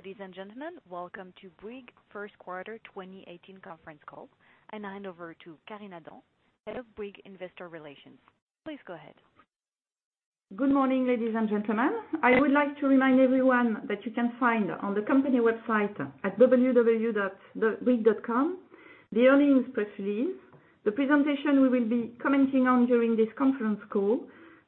Ladies and gentlemen, welcome to Bouygues' first quarter 2018 conference call. I now hand over to Karine Adam-Gruson, Head of Bouygues Investor Relations. Please go ahead. Good morning, ladies and gentlemen. I would like to remind everyone that you can find on the company website at www.bouygues.com, the earnings press release, the presentation we will be commenting on during this conference call,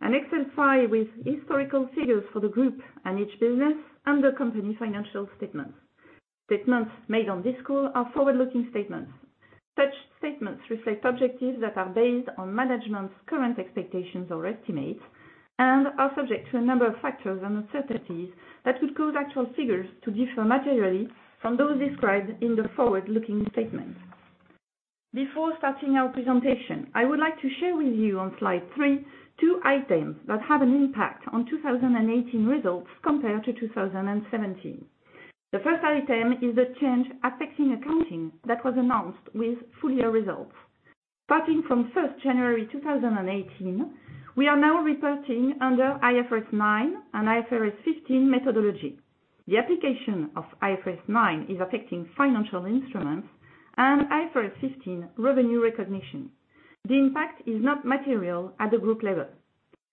an Excel file with historical figures for the group and each business, and the company financial statements. Statements made on this call are forward-looking statements. Such statements reflect objectives that are based on management's current expectations or estimates, and are subject to a number of factors and uncertainties that could cause actual figures to differ materially from those described in the forward-looking statement. Before starting our presentation, I would like to share with you on slide three, two items that have an impact on 2018 results compared to 2017. The first item is the change affecting accounting that was announced with full year results. Starting from 1st January 2018, we are now reporting under IFRS 9 and IFRS 15 methodology. The application of IFRS 9 is affecting financial instruments and IFRS 15 revenue recognition. The impact is not material at the group level.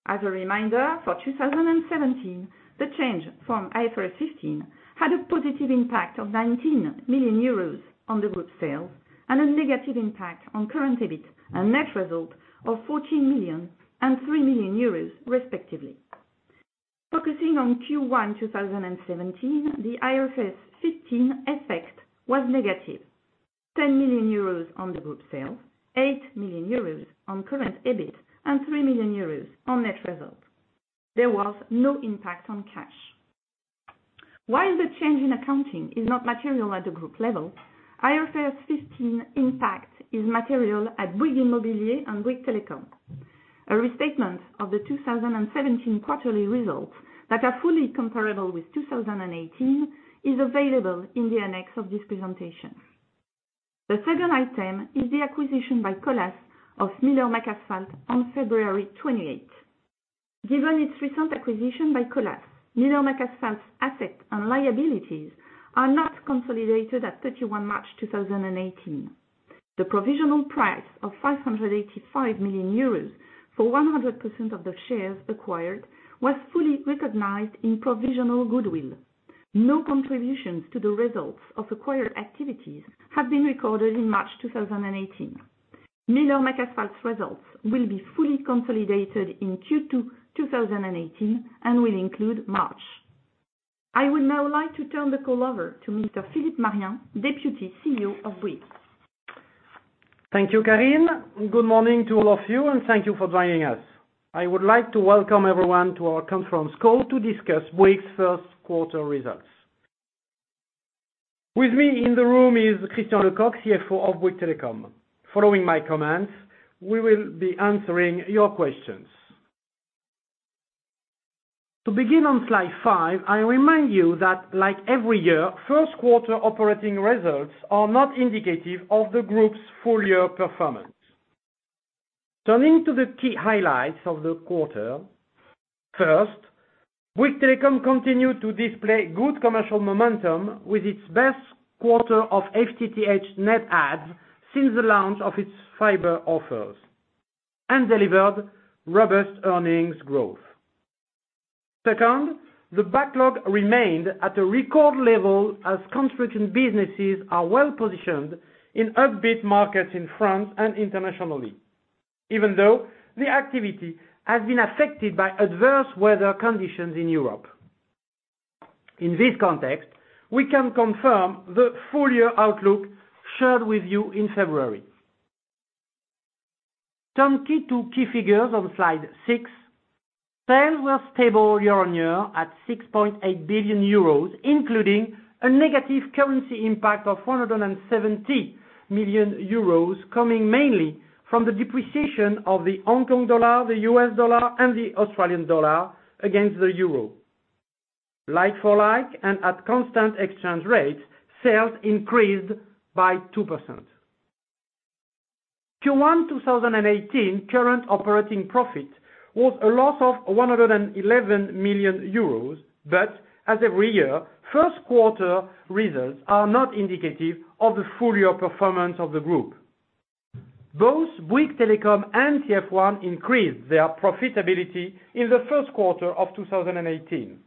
As a reminder, for 2017, the change from IFRS 15 had a positive impact of 19 million euros on the group sales and a negative impact on current EBIT and net result of 14 million and 3 million euros respectively. Focusing on Q1 2017, the IFRS 15 effect was negative. 10 million euros on the group sales, 8 million euros on current EBIT, and 3 million euros on net result. There was no impact on cash. While the change in accounting is not material at the group level, IFRS 15 impact is material at Bouygues Immobilier and Bouygues Telecom. A restatement of the 2017 quarterly results that are fully comparable with 2018 is available in the annex of this presentation. The second item is the acquisition by Colas of Miller McAsphalt on February 28th. Given its recent acquisition by Colas, Miller McAsphalt's assets and liabilities are not consolidated at 31 March 2018. The provisional price of 585 million euros for 100% of the shares acquired was fully recognized in provisional goodwill. No contributions to the results of acquired activities have been recorded in March 2018. Miller McAsphalt's results will be fully consolidated in Q2 2018 and will include March. I would now like to turn the call over to Mr. Philippe Marien, Deputy CEO of Bouygues. Thank you, Karine. Good morning to all of you, and thank you for joining us. I would like to welcome everyone to our conference call to discuss Bouygues' first quarter results. With me in the room is Christian Lecoq, CFO of Bouygues Telecom. Following my comments, we will be answering your questions. To begin on slide five, I remind you that like every year, first quarter operating results are not indicative of the group's full-year performance. Turning to the key highlights of the quarter. First, Bouygues Telecom continued to display good commercial momentum with its best quarter of FTTH net adds since the launch of its fiber offers and delivered robust earnings growth. Second, the backlog remained at a record level as construction businesses are well-positioned in upbeat markets in France and internationally, even though the activity has been affected by adverse weather conditions in Europe. In this context, we can confirm the full-year outlook shared with you in February. Turning to key figures on slide six. Sales were stable year-on-year at 6.8 billion euros, including a negative currency impact of 470 million euros, coming mainly from the depreciation of the Hong Kong dollar, the US dollar, and the Australian dollar against the euro. Like for like, and at constant exchange rates, sales increased by 2%. Q1 2018 current operating profit was a loss of 111 million euros, but as every year, first quarter results are not indicative of the full-year performance of the group. Both Bouygues Telecom and TF1 increased their profitability in the first quarter of 2018.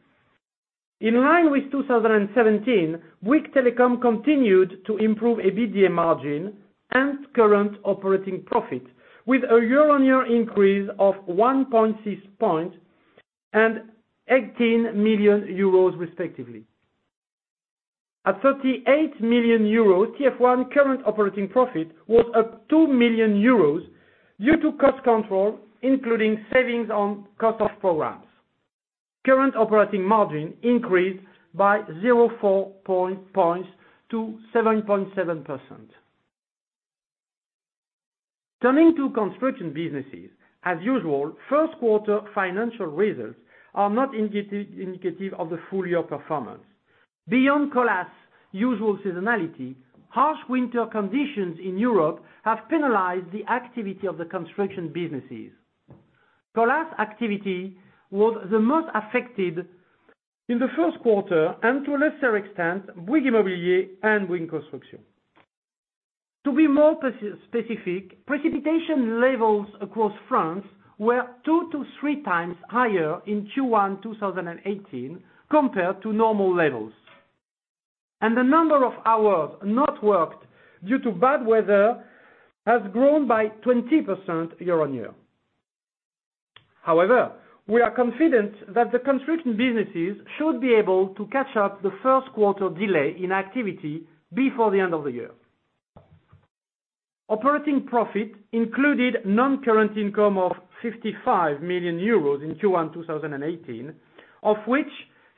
In line with 2017, Bouygues Telecom continued to improve EBITDA margin and current operating profit with a year-on-year increase of 1.6 point and 18 million euros respectively. At 38 million euros, TF1 current operating profit was up 2 million euros due to cost control, including savings on cost off programs. Current operating margin increased by 0.4 points to 7.7%. Turning to construction businesses, as usual, first quarter financial results are not indicative of the full-year performance. Beyond Colas' usual seasonality, harsh winter conditions in Europe have penalized the activity of the construction businesses. Colas activity was the most affected in the first quarter, and to a lesser extent, Bouygues Immobilier and Bouygues Construction. To be more specific, precipitation levels across France were two to three times higher in Q1 2018 compared to normal levels. And the number of hours not worked due to bad weather has grown by 20% year-on-year. However, we are confident that the construction businesses should be able to catch up the first quarter delay in activity before the end of the year. Operating profit included non-current income of 55 million euros in Q1 2018, of which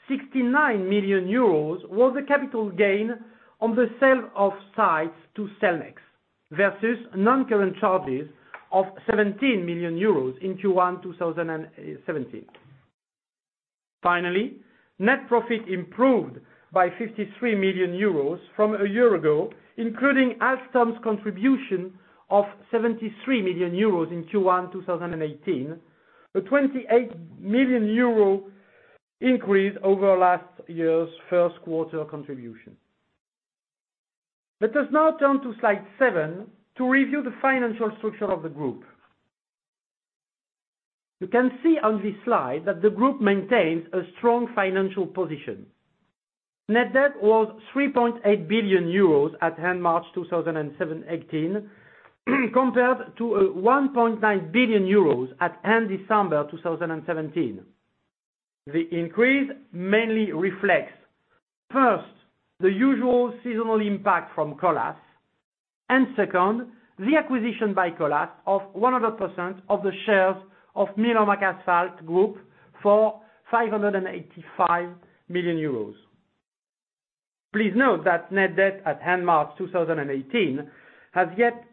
69 million euros was a capital gain on the sale of sites to Cellnex, versus non-current charges of 17 million euros in Q1 2017. Finally, net profit improved by 53 million euros from a year ago, including Alstom's contribution of 73 million euros in Q1 2018, a 28 million euro increase over last year's first quarter contribution. Let us now turn to slide seven to review the financial structure of the group. You can see on this slide that the group maintains a strong financial position. Net debt was 3.8 billion euros at end March 2018, compared to 1.9 billion euros at end December 2017. The increase mainly reflects, first, the usual seasonal impact from Colas, and second, the acquisition by Colas of 100% of the shares of Miller McAsphalt Group for 585 million euros. Please note that net debt at end March 2018 has yet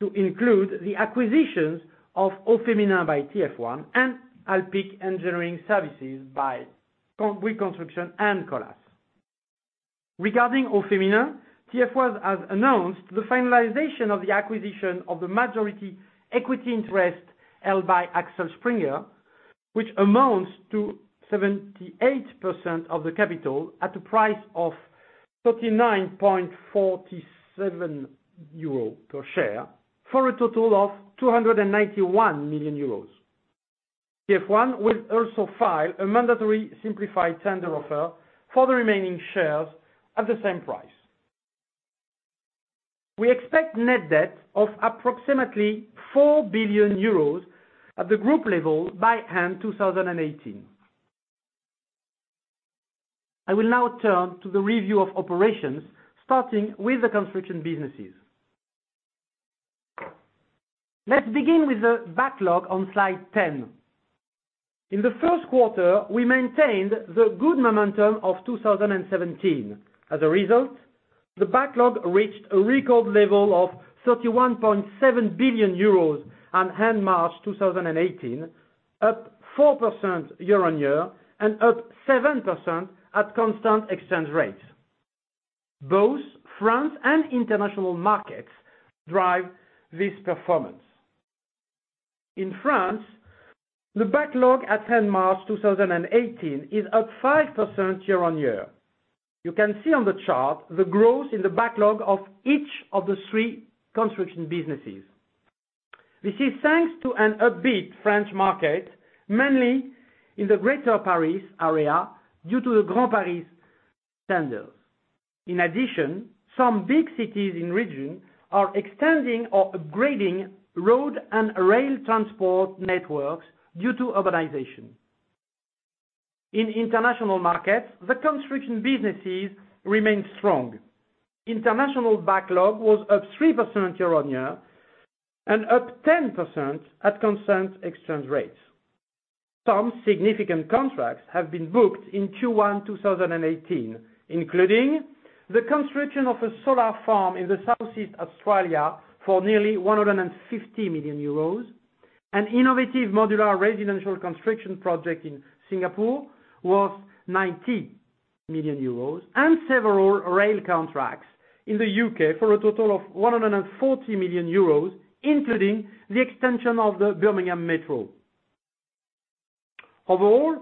to include the acquisitions of aufeminin by TF1 and Alpiq Engineering Services by Bouygues Construction and Colas. Regarding aufeminin, TF1 has announced the finalization of the acquisition of the majority equity interest held by Axel Springer, which amounts to 78% of the capital at a price of 39.47 euro per share, for a total of 291 million euros. TF1 will also file a mandatory simplified tender offer for the remaining shares at the same price. We expect net debt of approximately 4 billion euros at the group level by end-2018. I will now turn to the review of operations, starting with the construction businesses. Let us begin with the backlog on slide 10. In the first quarter, we maintained the good momentum of 2017. As a result, the backlog reached a record level of 31.7 billion euros on end March 2018, up 4% year-on-year and up 7% at constant exchange rates. Both France and international markets drive this performance. In France, the backlog at end March 2018 is up 5% year-on-year. You can see on the chart the growth in the backlog of each of the three construction businesses. This is thanks to an upbeat French market, mainly in the Greater Paris area, due to the Grand Paris standards. In addition, some big cities and regions are extending or upgrading road and rail transport networks due to urbanization. In international markets, the construction businesses remain strong. International backlog was up 3% year-on-year and up 10% at constant exchange rates. Some significant contracts have been booked in Q1 2018, including the construction of a solar farm in the southeast Australia for nearly 150 million euros. An innovative modular residential construction project in Singapore worth 90 million euros, and several rail contracts in the U.K. for a total of 140 million euros, including the extension of the Birmingham Metro. Overall,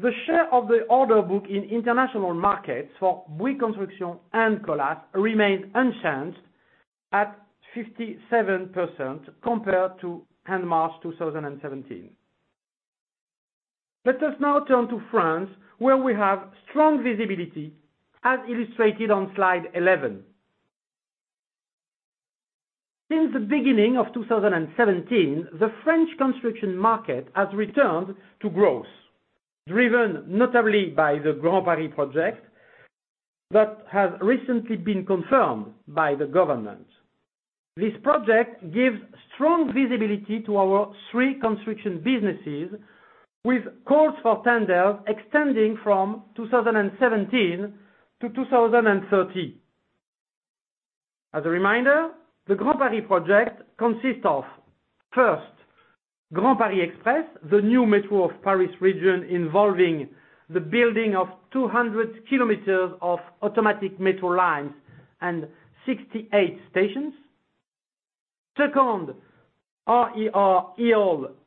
the share of the order book in international markets for Bouygues Construction and Colas remains unchanged at 57% compared to end March 2017. Let us now turn to France, where we have strong visibility, as illustrated on slide 11. Since the beginning of 2017, the French construction market has returned to growth, driven notably by the Grand Paris project that has recently been confirmed by the government. This project gives strong visibility to our three construction businesses, with calls for tenders extending from 2017 to 2030. As a reminder, the Grand Paris project consists of, first, Grand Paris Express, the new metro of Paris region involving the building of 200 kilometers of automatic metro lines and 68 stations. Second, RER E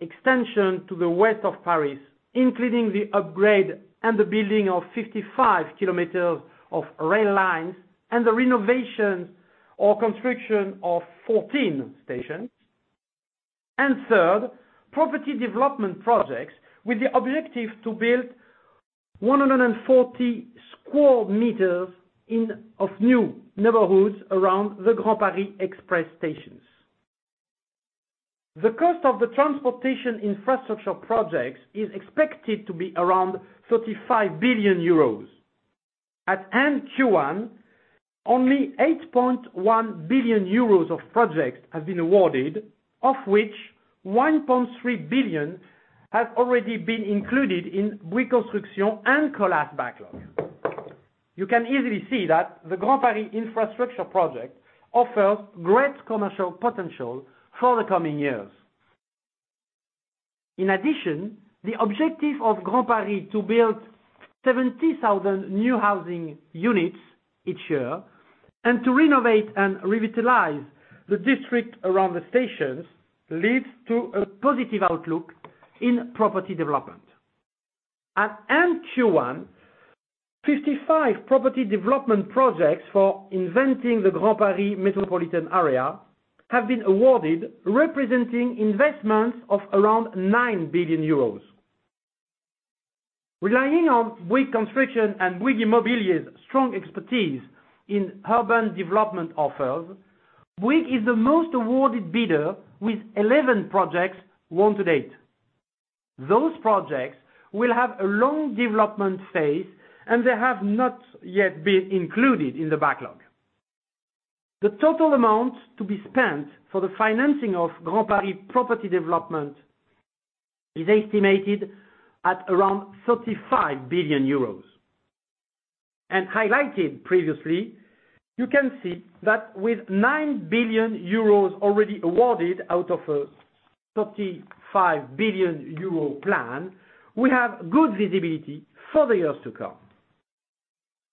extension to the west of Paris, including the upgrade and the building of 55 kilometers of rail lines and the renovation or construction of 14 stations. Third, property development projects with the objective to build 140 sq m of new neighborhoods around the Grand Paris Express stations. The cost of the transportation infrastructure projects is expected to be around 35 billion euros. At end Q1, only 8.1 billion euros of projects have been awarded, of which 1.3 billion has already been included in Bouygues Construction and Colas backlog. You can easily see that the Grand Paris infrastructure project offers great commercial potential for the coming years. In addition, the objective of Grand Paris to build 70,000 new housing units each year and to renovate and revitalize the district around the stations leads to a positive outlook in property development. At end Q1, 55 property development projects for inventing the Grand Paris Metropolitan Area have been awarded, representing investments of around 9 billion euros. Relying on Bouygues Construction and Bouygues Immobilier's strong expertise in urban development offers, Bouygues is the most awarded bidder with 11 projects won to date. Those projects will have a long development phase, and they have not yet been included in the backlog. The total amount to be spent for the financing of Grand Paris property development is estimated at around 35 billion euros. Highlighted previously, you can see that with 9 billion euros already awarded out of a 35 billion euro plan, we have good visibility for the years to come.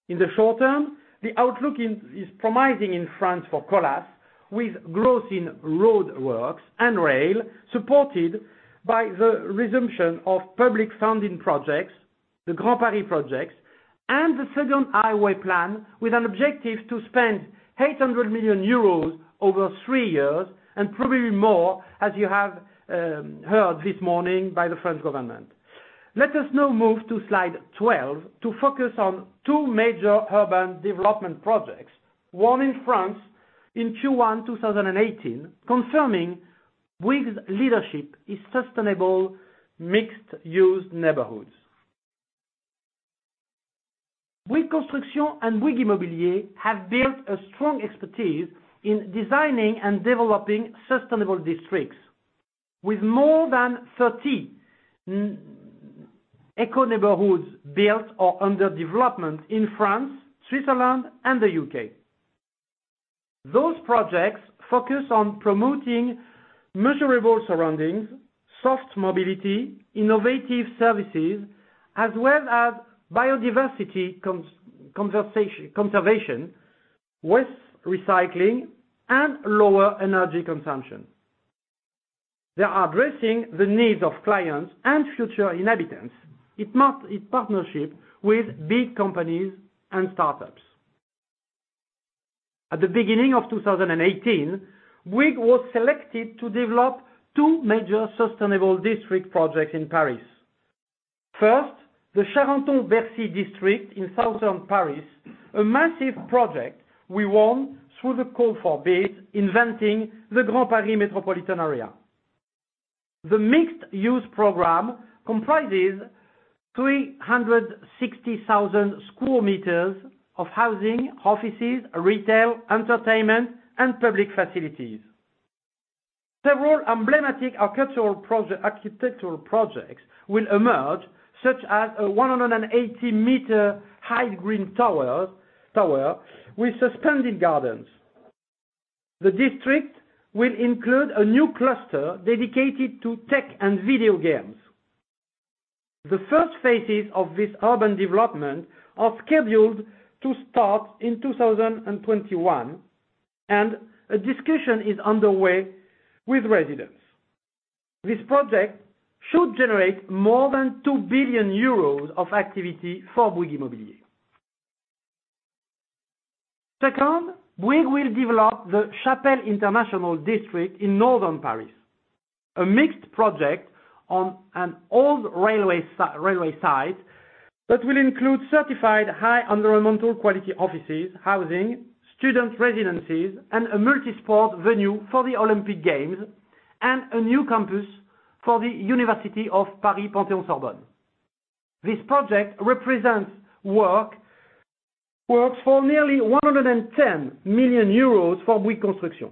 In the short term, the outlook is promising in France for Colas, with growth in roadworks and rail supported by the resumption of public funding projects, the Grand Paris projects, and the second highway plan with an objective to spend 800 million euros over three years and probably more, as you have heard this morning by the French government. Let us now move to slide 12 to focus on two major urban development projects, one in France in Q1 2018, confirming Bouygues leadership is sustainable mixed-use neighborhoods. Bouygues Construction and Bouygues Immobilier have built a strong expertise in designing and developing sustainable districts. With more than 30 eco-neighborhoods built or under development in France, Switzerland, and the U.K. Those projects focus on promoting measurable surroundings, soft mobility, innovative services, as well as biodiversity conservation, waste recycling, and lower energy consumption. They are addressing the needs of clients and future inhabitants in partnership with big companies and startups. At the beginning of 2018, Bouygues was selected to develop two major sustainable district projects in Paris. First, the Charenton-Bercy district in southern Paris, a massive project we won through the call for bids, inventing the Grand Paris Metropolitan Area. The mixed-use program comprises 360,000 square meters of housing, offices, retail, entertainment, and public facilities. Several emblematic architectural projects will emerge, such as a 180-meter high green tower with suspended gardens. The district will include a new cluster dedicated to tech and video games. The first phases of this urban development are scheduled to start in 2021, and a discussion is underway with residents. This project should generate more than 2 billion euros of activity for Bouygues Immobilier. Second, Bouygues will develop the Chapelle International District in northern Paris, a mixed project on an old railway site that will include certified high environmental quality offices, housing, student residencies, and a multi-sport venue for the Olympic Games and a new campus for the Université Paris 1 Panthéon-Sorbonne. This project represents works for nearly 110 million euros for Bouygues Construction.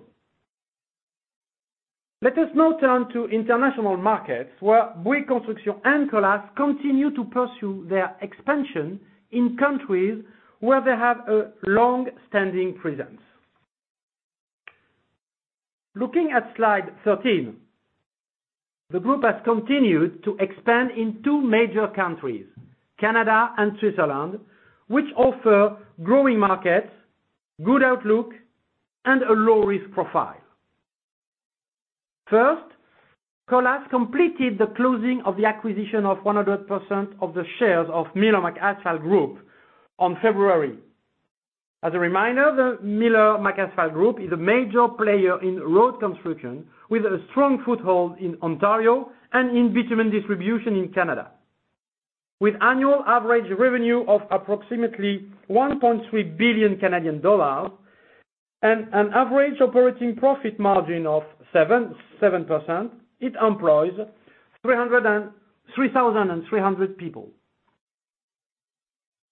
Let us now turn to international markets where Bouygues Construction and Colas continue to pursue their expansion in countries where they have a long-standing presence. Looking at slide 13, the group has continued to expand in two major countries, Canada and Switzerland, which offer growing markets, good outlook, and a low risk profile. First, Colas completed the closing of the acquisition of 100% of the shares of Miller McAsphalt Group on February. As a reminder, the Miller McAsphalt Group is a major player in road construction, with a strong foothold in Ontario and in bitumen distribution in Canada. With annual average revenue of approximately 1.3 billion Canadian dollars and an average operating profit margin of 7%, it employs 3,300 people.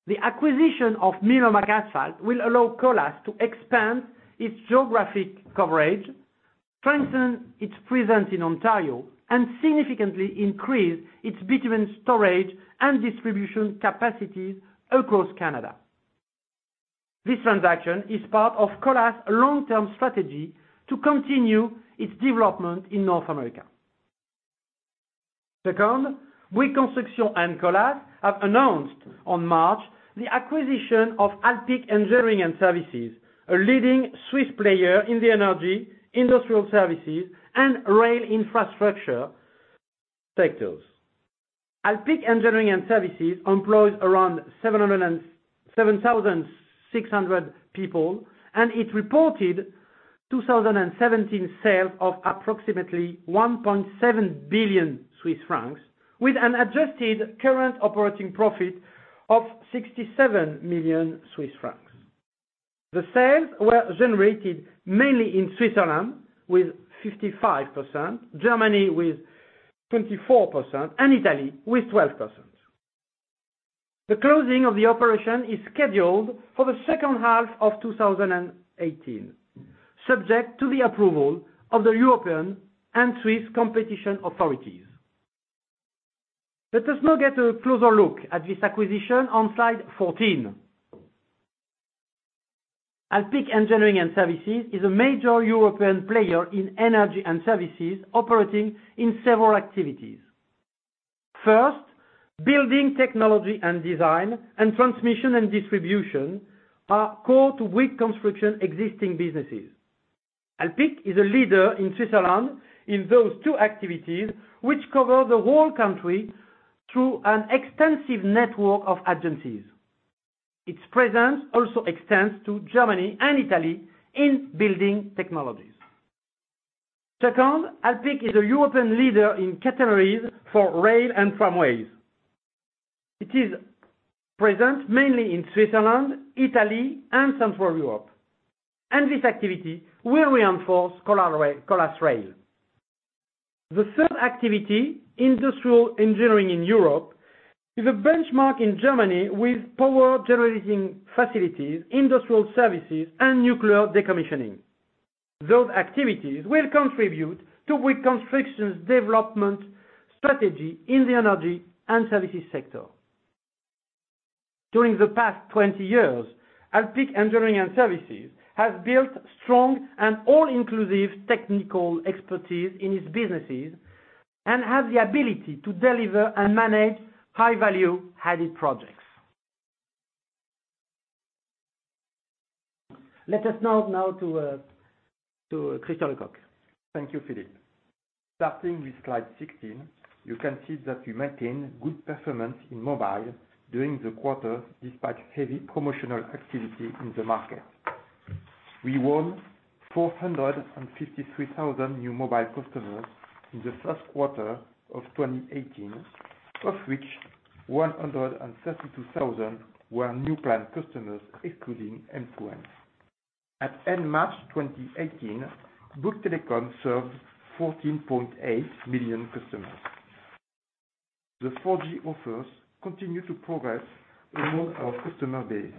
The acquisition of Miller McAsphalt will allow Colas to expand its geographic coverage, strengthen its presence in Ontario, and significantly increase its bitumen storage and distribution capacities across Canada. This transaction is part of Colas' long-term strategy to continue its development in North America. Second, Bouygues Construction and Colas have announced on March, the acquisition of Alpiq Engineering Services, a leading Swiss player in the energy, industrial services, and rail infrastructure sectors. Alpiq Engineering Services employs around 7,600 people, and it reported 2017 sales of approximately 1.7 billion Swiss francs, with an adjusted current operating profit of 67 million Swiss francs. The sales were generated mainly in Switzerland with 55%, Germany with 24%, and Italy with 12%. The closing of the operation is scheduled for the second half of 2018, subject to the approval of the European and Swiss competition authorities. Let us now get a closer look at this acquisition on slide 14. Alpiq Engineering Services is a major European player in energy and services operating in several activities. First, building technology and design, and transmission and distribution are core to Bouygues Construction existing businesses. Alpiq is a leader in Switzerland in those two activities, which cover the whole country through an extensive network of agencies. Its presence also extends to Germany and Italy in building technologies. Second, Alpiq is a European leader in catenaries for rail and tramways. It is present mainly in Switzerland, Italy, and Central Europe, and this activity will reinforce Colas Rail. The third activity, industrial engineering in Europe, is a benchmark in Germany with power-generating facilities, industrial services, and nuclear decommissioning. Those activities will contribute to Bouygues Construction's development strategy in the energy and services sector. During the past 20 years, Alpiq Engineering Services has built strong and all-inclusive technical expertise in its businesses and has the ability to deliver and manage high-value added projects. Let us now to Christian Lecoq. Thank you, Philippe. Starting with slide 16, you can see that we maintain good performance in mobile during the quarter, despite heavy promotional activity in the market. We won 453,000 new mobile customers in the first quarter of 2018, of which 132,000 were new plan customers excluding M2M. At end March 2018, Bouygues Telecom served 14.8 million customers. The 4G offers continue to progress among our customer base.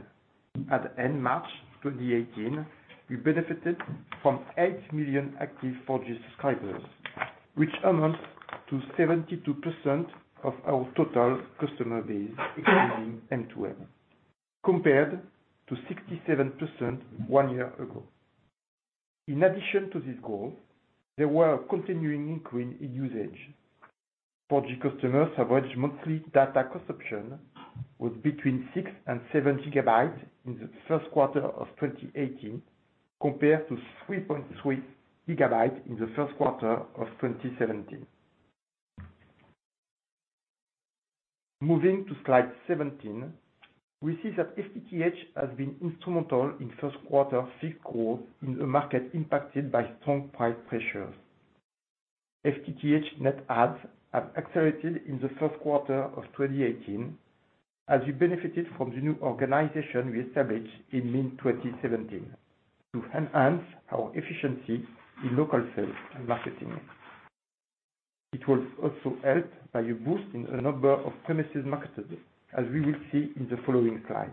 At end March 2018, we benefited from 8 million active 4G subscribers, which amounts to 72% of our total customer base excluding M2M, compared to 67% one year ago. In addition to this growth, there were continuing increase in usage. 4G customers average monthly data consumption was between six and seven gigabytes in the first quarter of 2018, compared to 3.3 gigabytes in the first quarter of 2017. Moving to slide 17, we see that FTTH has been instrumental in first quarter fixed growth in a market impacted by strong price pressures. FTTH net adds have accelerated in the first quarter of 2018, as we benefited from the new organization we established in mid-2017 to enhance our efficiency in local sales and marketing. It was also helped by a boost in the number of premises marketed, as we will see in the following slide.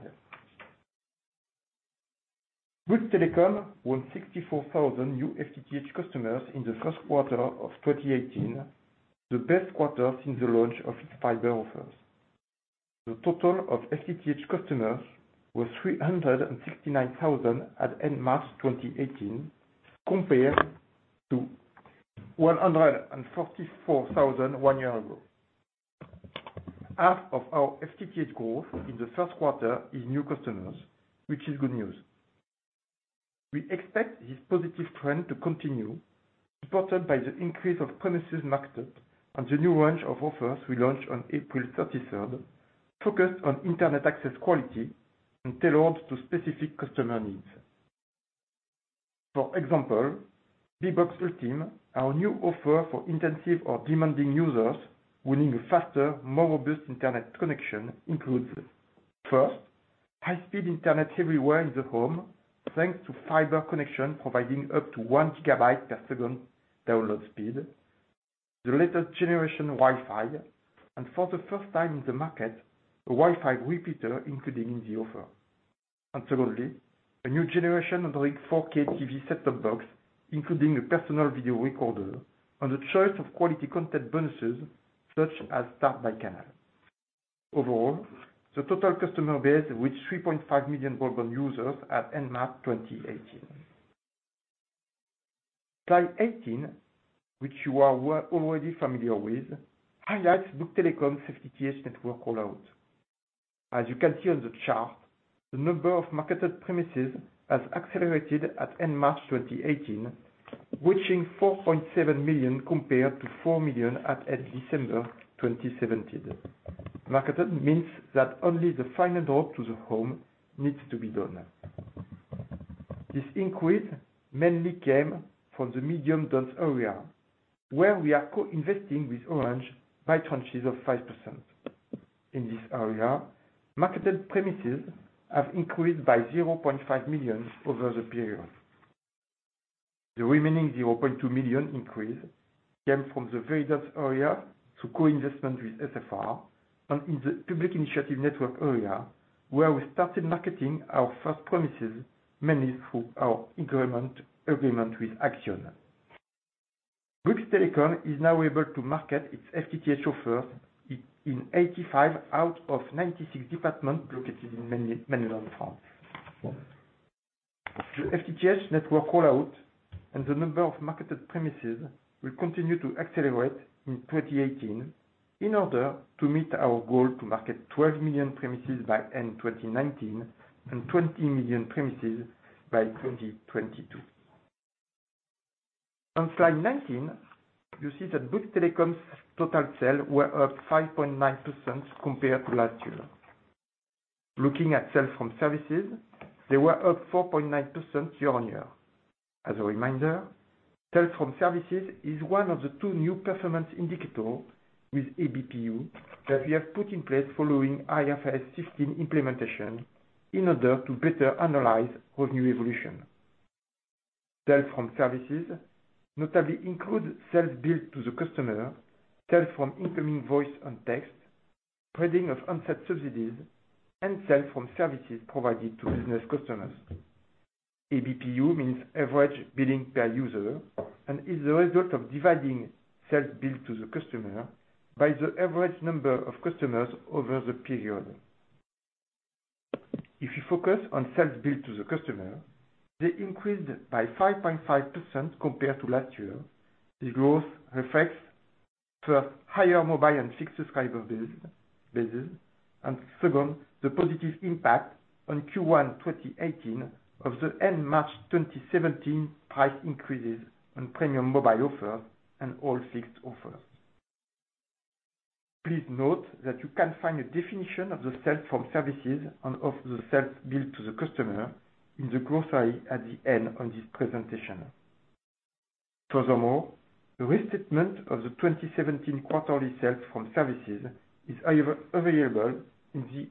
Bouygues Telecom won 64,000 new FTTH customers in the first quarter of 2018, the best quarter since the launch of its fiber offers. The total of FTTH customers was 369,000 at end March 2018, compared to 144,000 one year ago. Half of our FTTH growth in the first quarter is new customers, which is good news. We expect this positive trend to continue, supported by the increase of premises marketed and the new range of offers we launched on April 3rd, focused on internet access quality and tailored to specific customer needs. For example, Bbox Ultym, our new offer for intensive or demanding users wanting a faster, more robust internet connection includes, first, high speed internet everywhere in the home, thanks to fiber connection providing up to one gigabyte per second download speed. The latest generation Wi-Fi, and for the first time in the market, a Wi-Fi repeater included in the offer. Secondly, a new generation Android 4K TV set-top box, including a personal video recorder and a choice of quality content bonuses such as START by CANAL. Overall, the total customer base reached 3.5 million broadband users at end March 2018. Slide 18, which you are well already familiar with, highlights Bouygues Telecom's FTTH network rollout. As you can see on the chart, the number of marketed premises has accelerated at end March 2018, reaching 4.7 million compared to four million at December 2017. Marketed means that only the final drop to the home needs to be done. This increase mainly came from the medium dense area, where we are co-investing with Orange by tranches of 5%. In this area, marketed premises have increased by 0.5 million over the period. The remaining 0.2 million increase came from the very dense area through co-investment with SFR and in the public initiative network area, where we started marketing our first premises mainly through our agreement with Axione. Bouygues Telecom is now able to market its FTTH offers in 85 out of 96 departments located in mainland France. The FTTH network rollout and the number of marketed premises will continue to accelerate in 2018 in order to meet our goal to market 12 million premises by end 2019 and 20 million premises by 2022. On slide 19, you see that Bouygues Telecom's total sales were up 5.9% compared to last year. Looking at sales from services, they were up 4.9% year-on-year. As a reminder, sales from services is one of the two new performance indicators with EBPU that we have put in place following IFRS 15 implementation in order to better analyze revenue evolution. Sales from services notably include sales billed to the customer, sales from incoming voice and text, spreading of handset subsidies, and sales from services provided to business customers. EBPU means average billing per user and is the result of dividing sales billed to the customer by the average number of customers over the period. If you focus on sales billed to the customer, they increased by 5.5% compared to last year. This growth reflects first, higher mobile and fixed subscriber bases, and second, the positive impact on Q1 2018 of the end March 2017 price increases on premium mobile offers and all fixed offers. Please note that you can find a definition of the sales from services and of the sales billed to the customer in the glossary at the end of this presentation. Furthermore, the restatement of the 2017 quarterly sales from services is available in the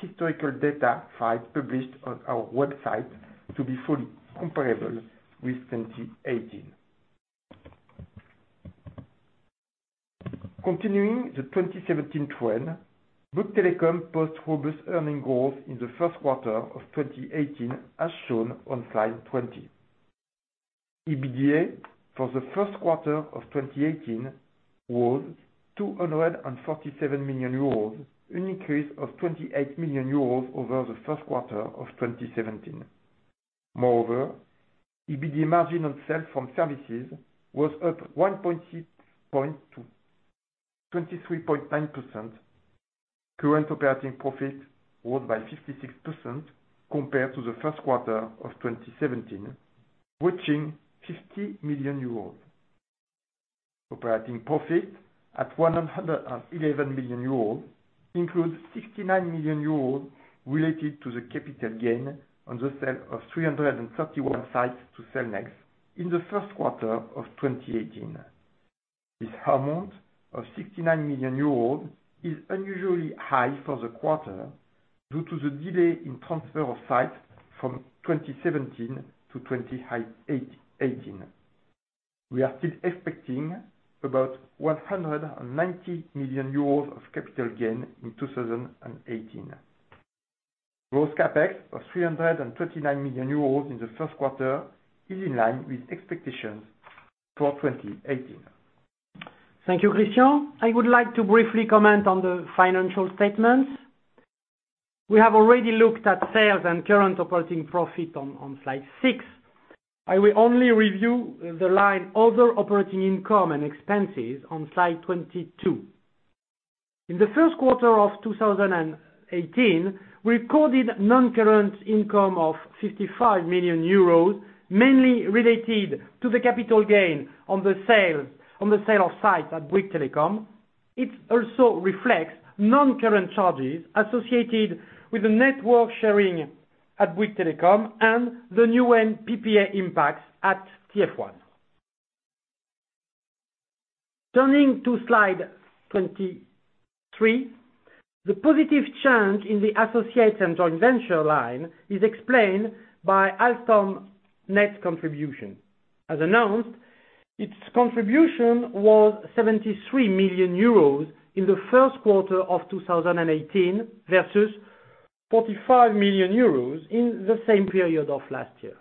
historical data files published on our website to be fully comparable with 2018. Continuing the 2017 trend, Bouygues Telecom posts robust earning growth in the first quarter of 2018 as shown on slide 20. EBITDA for the first quarter of 2018 was 247 million euros, an increase of 28 million euros over the first quarter of 2017. EBITDA margin on sales from services was up 1.6 point to 23.9%. Current operating profit rose by 56% compared to the first quarter of 2017, reaching 50 million euros. Operating profit at 111 million euros includes 69 million euros related to the capital gain on the sale of 331 sites to Cellnex in the first quarter of 2018. This amount of 69 million euros is unusually high for the quarter due to the delay in transfer of sites from 2017 to 2018. We are still expecting about 190 million euros of capital gain in 2018. Gross CapEx of 329 million euros in the first quarter is in line with expectations for 2018. Thank you, Christian. I would like to briefly comment on the financial statements. We have already looked at sales and current operating profit on slide six. I will only review the line other operating income and expenses on slide 22. In the first quarter of 2018, we recorded non-current income of 55 million euros, mainly related to the capital gain on the sale of sites at Bouygues Telecom. It also reflects non-current charges associated with the network sharing at Bouygues Telecom and the new NPPA impacts at TF1. Turning to slide 23. The positive change in the associates and joint venture line is explained by Alstom net contribution. As announced, its contribution was 73 million euros in the first quarter of 2018 versus 45 million euros in the same period of last year.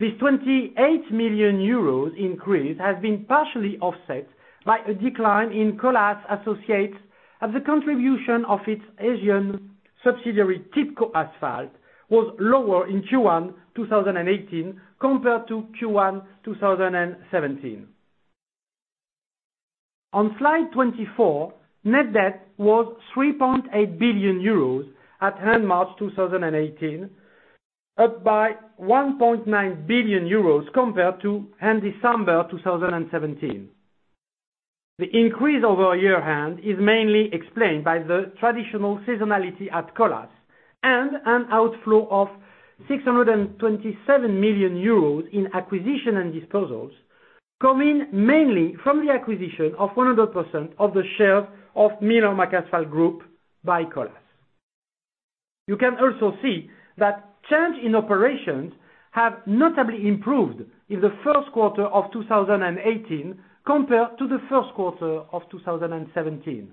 This 28 million euros increase has been partially offset by a decline in Colas associates as the contribution of its Asian subsidiary, Tipco Asphalt, was lower in Q1 2018 compared to Q1 2017. On slide 24, net debt was 3.8 billion euros at end March 2018, up by 1.9 billion euros compared to end December 2017. The increase over a year end is mainly explained by the traditional seasonality at Colas and an outflow of 627 million euros in acquisition and disposals, coming mainly from the acquisition of 100% of the share of Miller McAsphalt Group by Colas. You can also see that change in operations have notably improved in the first quarter of 2018 compared to the first quarter of 2017.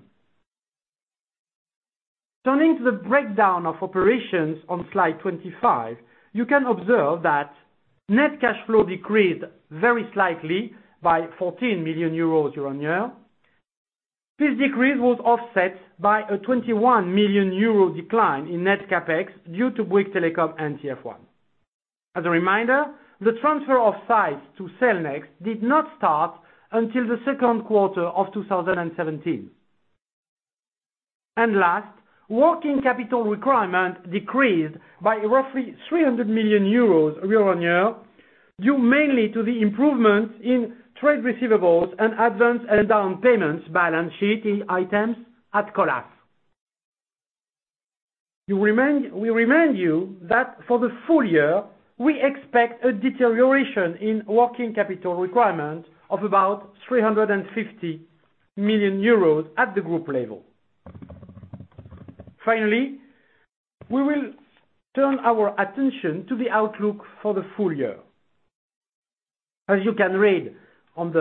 Turning to the breakdown of operations on slide 25, you can observe that net cash flow decreased very slightly by 14 million euros year-over-year. This decrease was offset by a 21 million euro decline in net CapEx due to Bouygues Telecom and TF1. As a reminder, the transfer of sites to Cellnex did not start until the second quarter of 2017. Last, working capital requirement decreased by roughly 300 million euros year-on-year, due mainly to the improvements in trade receivables and advance and down payments, balance sheet items at Colas. We remind you that for the full year, we expect a deterioration in working capital requirement of about 350 million euros at the group level. We will turn our attention to the outlook for the full year. As you can read on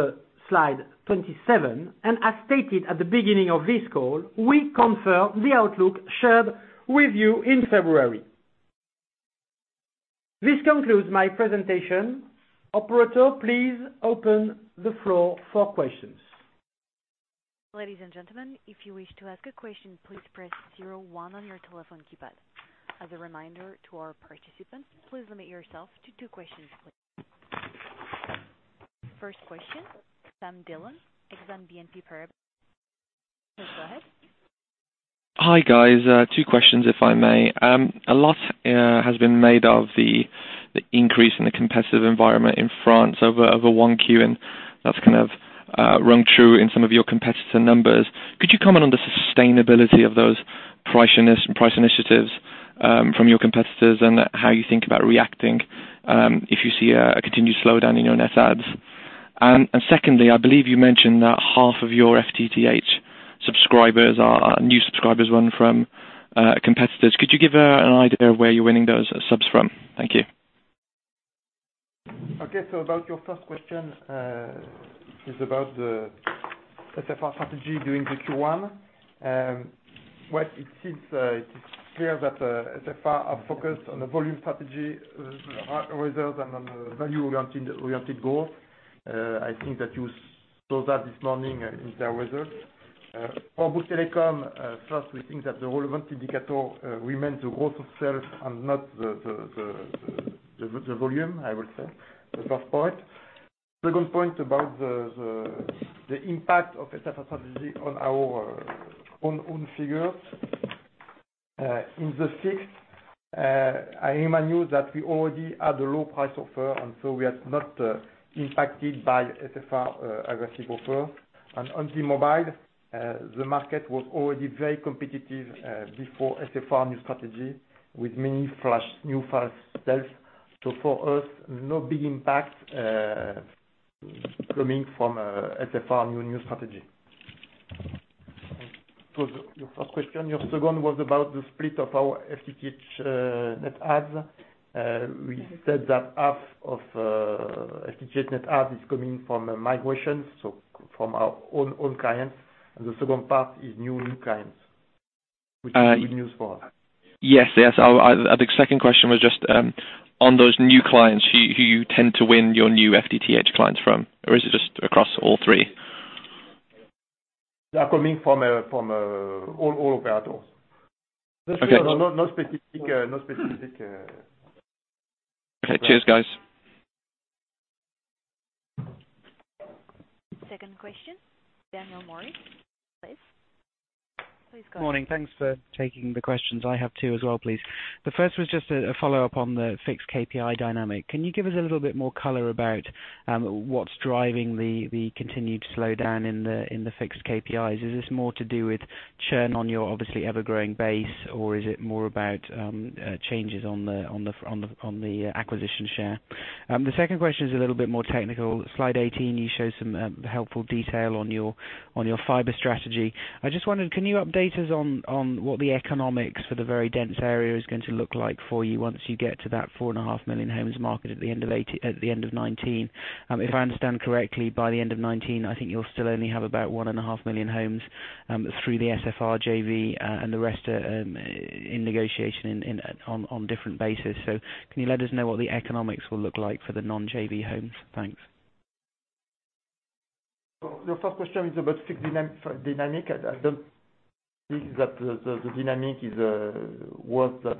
slide 27, and as stated at the beginning of this call, we confirm the outlook shared with you in February. This concludes my presentation. Operator, please open the floor for questions. Ladies and gentlemen, if you wish to ask a question, please press zero one on your telephone keypad. As a reminder to our participants, please limit yourself to two questions, please. First question, San Dhillon, Exane BNP Paribas. Please go ahead. Hi, guys. Two questions, if I may. A lot has been made of the increase in the competitive environment in France over one Q, and that's kind of rung true in some of your competitor numbers. Could you comment on the sustainability of those price initiatives from your competitors and how you think about reacting, if you see a continued slowdown in your net adds? Secondly, I believe you mentioned that half of your FTTH subscribers are new subscribers won from competitors. Could you give an idea of where you're winning those subs from? Thank you. Okay. About your first question, is about the SFR strategy during the Q1. It seems it is clear that SFR are focused on the volume strategy results and on the value-oriented goal. I think that you saw that this morning in their results. For Bouygues Telecom, first, we think that the relevant indicator remains the growth of sales and not the volume, I would say. The first point. Second point about the impact of SFR strategy on our own figures. In the sixth, I remind you that we already had a low price offer, we are not impacted by SFR aggressive offer. On T-Mobile, the market was already very competitive before SFR new strategy with many fresh new sales. For us, no big impact coming from SFR new strategy. That was your first question. Your second was about the split of our FTTH net adds. We said that half of FTTH net add is coming from migrations, so from our own clients, and the second part is new clients. Which is good news for us. Yes. The second question was just on those new clients, who you tend to win your new FTTH clients from? Is it just across all three? They're coming from all operators. Okay. No specific. Okay. Cheers, guys. Second question, Daniel Morris. Please. Please go ahead. Morning. Thanks for taking the questions. I have two as well, please. The first was just a follow-up on the fixed KPI dynamic. Can you give us a little bit more color about what's driving the continued slowdown in the fixed KPIs? Is this more to do with churn on your obviously ever-growing base, or is it more about changes on the acquisition share? The second question is a little bit more technical. Slide 18, you show some helpful detail on your fiber strategy. I just wondered, can you update us on what the economics for the very dense area is going to look like for you once you get to that 4.5 million homes market at the end of 2019? If I understand correctly, by the end of 2019, I think you'll still only have about 1.5 million homes through the SFR JV, and the rest are in negotiation on different bases. Can you let us know what the economics will look like for the non-JV homes? Thanks. Your first question is about fixed dynamic. I don't think that the dynamic is worse than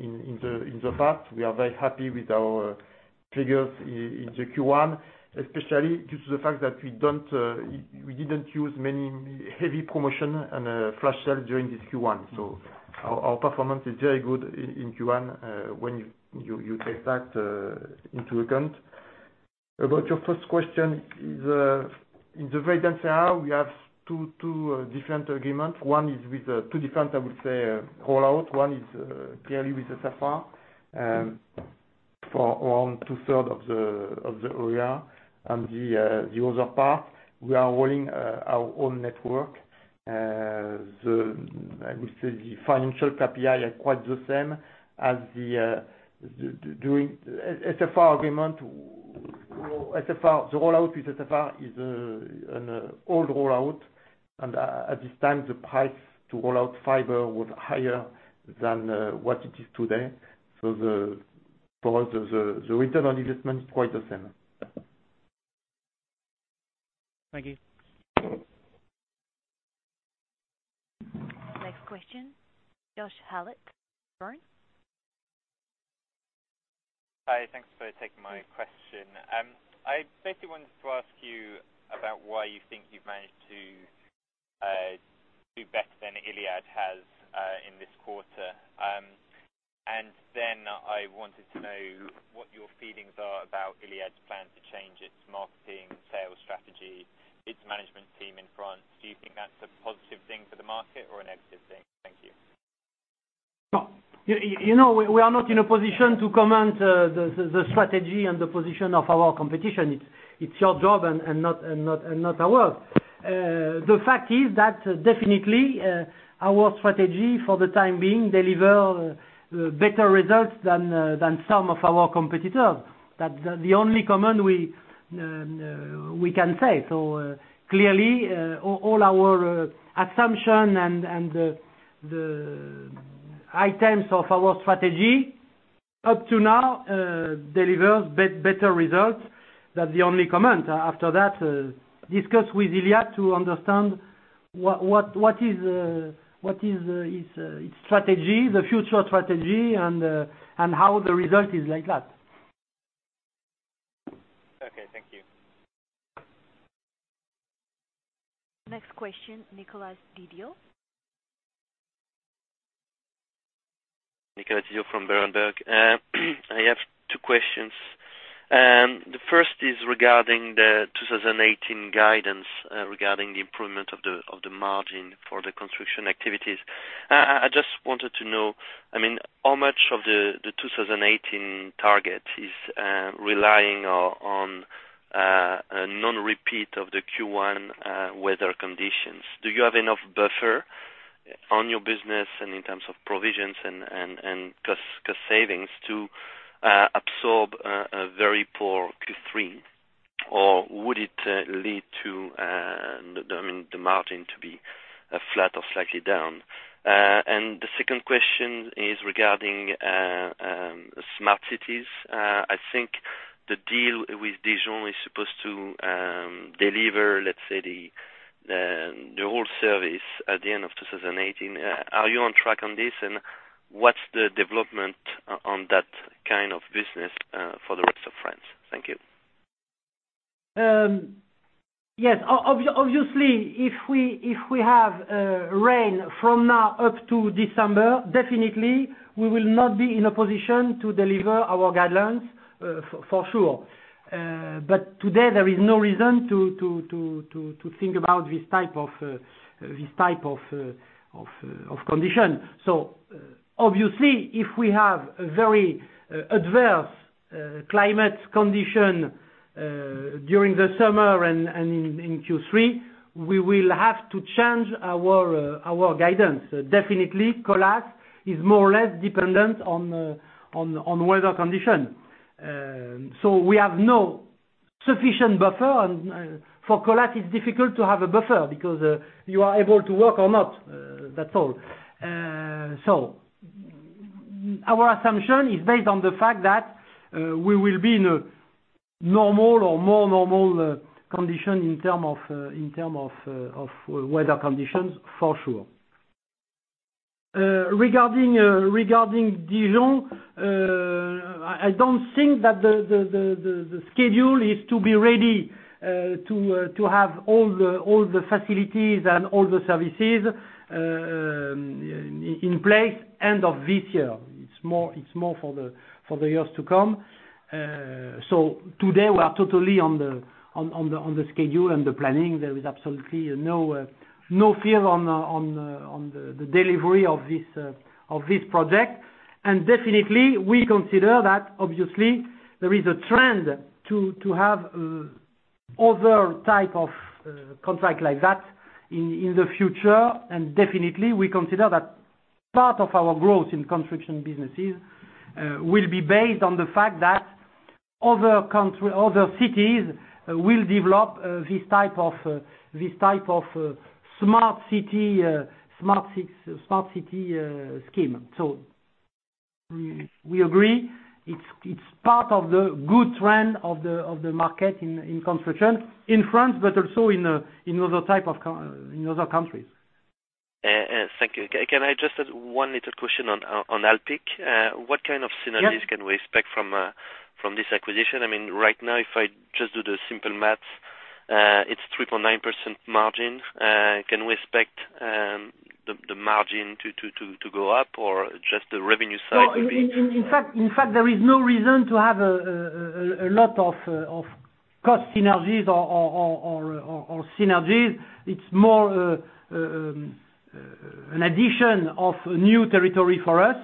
in the past. We are very happy with our figures in the Q1, especially due to the fact that we didn't use many heavy promotion and flash sales during this Q1. Our performance is very good in Q1, when you take that into account. About your first question, in the very dense area, we have two different agreements. Two different, I would say, rollout. One is clearly with the SFR, for around two-thirds of the area. The other part, we are rolling our own network. I would say the financial KPI is quite the same as the SFR agreement. The rollout with SFR is an old rollout, and at this time, the price to roll out fiber was higher than what it is today. The return on investment is quite the same. Thank you. Next question, Josh Hallett, Redburn. Hi. Thanks for taking my question. I basically wanted to ask you about why you think you've managed to do better than Iliad has in this quarter. Then I wanted to know what your feelings are about Iliad's plan to change its marketing sales strategy, its management team in France. Do you think that's a positive thing for the market or a negative thing? Thank you. We are not in a position to comment the strategy and the position of our competition. It's your job and not ours. The fact is that definitely, our strategy for the time being deliver better results than some of our competitors. That's the only comment we can say. Clearly, all our assumption and the items of our strategy up to now delivers better results. That's the only comment. After that, discuss with Iliad to understand what is his strategy, the future strategy, and how the result is like that. Okay, thank you. Next question, Nicolas Didio. Nicolas Didio from Berenberg. I have two questions. The first is regarding the 2018 guidance, regarding the improvement of the margin for the construction activities. I just wanted to know how much of the 2018 target is relying on a non-repeat of the Q1 weather conditions. Do you have enough buffer on your business and in terms of provisions and cost savings to absorb a very poor Q3? Would it lead to the margin to be flat or slightly down? The second question is regarding smart cities. I think the deal with Dijon is supposed to deliver, let's say, the whole service at the end of 2018. Are you on track on this? What's the development on that kind of business for the rest of France? Thank you. Yes. Obviously, if we have rain from now up to December, definitely we will not be in a position to deliver our guidelines, for sure. Today, there is no reason to think about this type of condition. Obviously, if we have a very adverse climate condition during the summer and in Q3, we will have to change our guidance. Definitely, Colas is more or less dependent on weather condition. We have no Sufficient buffer. For Colas, it's difficult to have a buffer because you are able to work or not. That's all. Our assumption is based on the fact that we will be in a normal or more normal condition in term of weather conditions for sure. Regarding Dijon, I don't think that the schedule is to be ready to have all the facilities and all the services in place end of this year. It's more for the years to come. Today, we are totally on the schedule and the planning. There is absolutely no fear on the delivery of this project. Definitely, we consider that obviously there is a trend to have other type of contract like that in the future. Definitely we consider that part of our growth in construction businesses will be based on the fact that other cities will develop this type of smart city scheme. We agree it's part of the good trend of the market in construction in France, but also in other countries. Thank you. Can I just add one little question on Alpiq? Yeah. What kind of synergies can we expect from this acquisition? Right now, if I just do the simple math, it's 3.9% margin. Can we expect the margin to go up or just the revenue side maybe? In fact, there is no reason to have a lot of cost synergies or synergies. It's more an addition of new territory for us.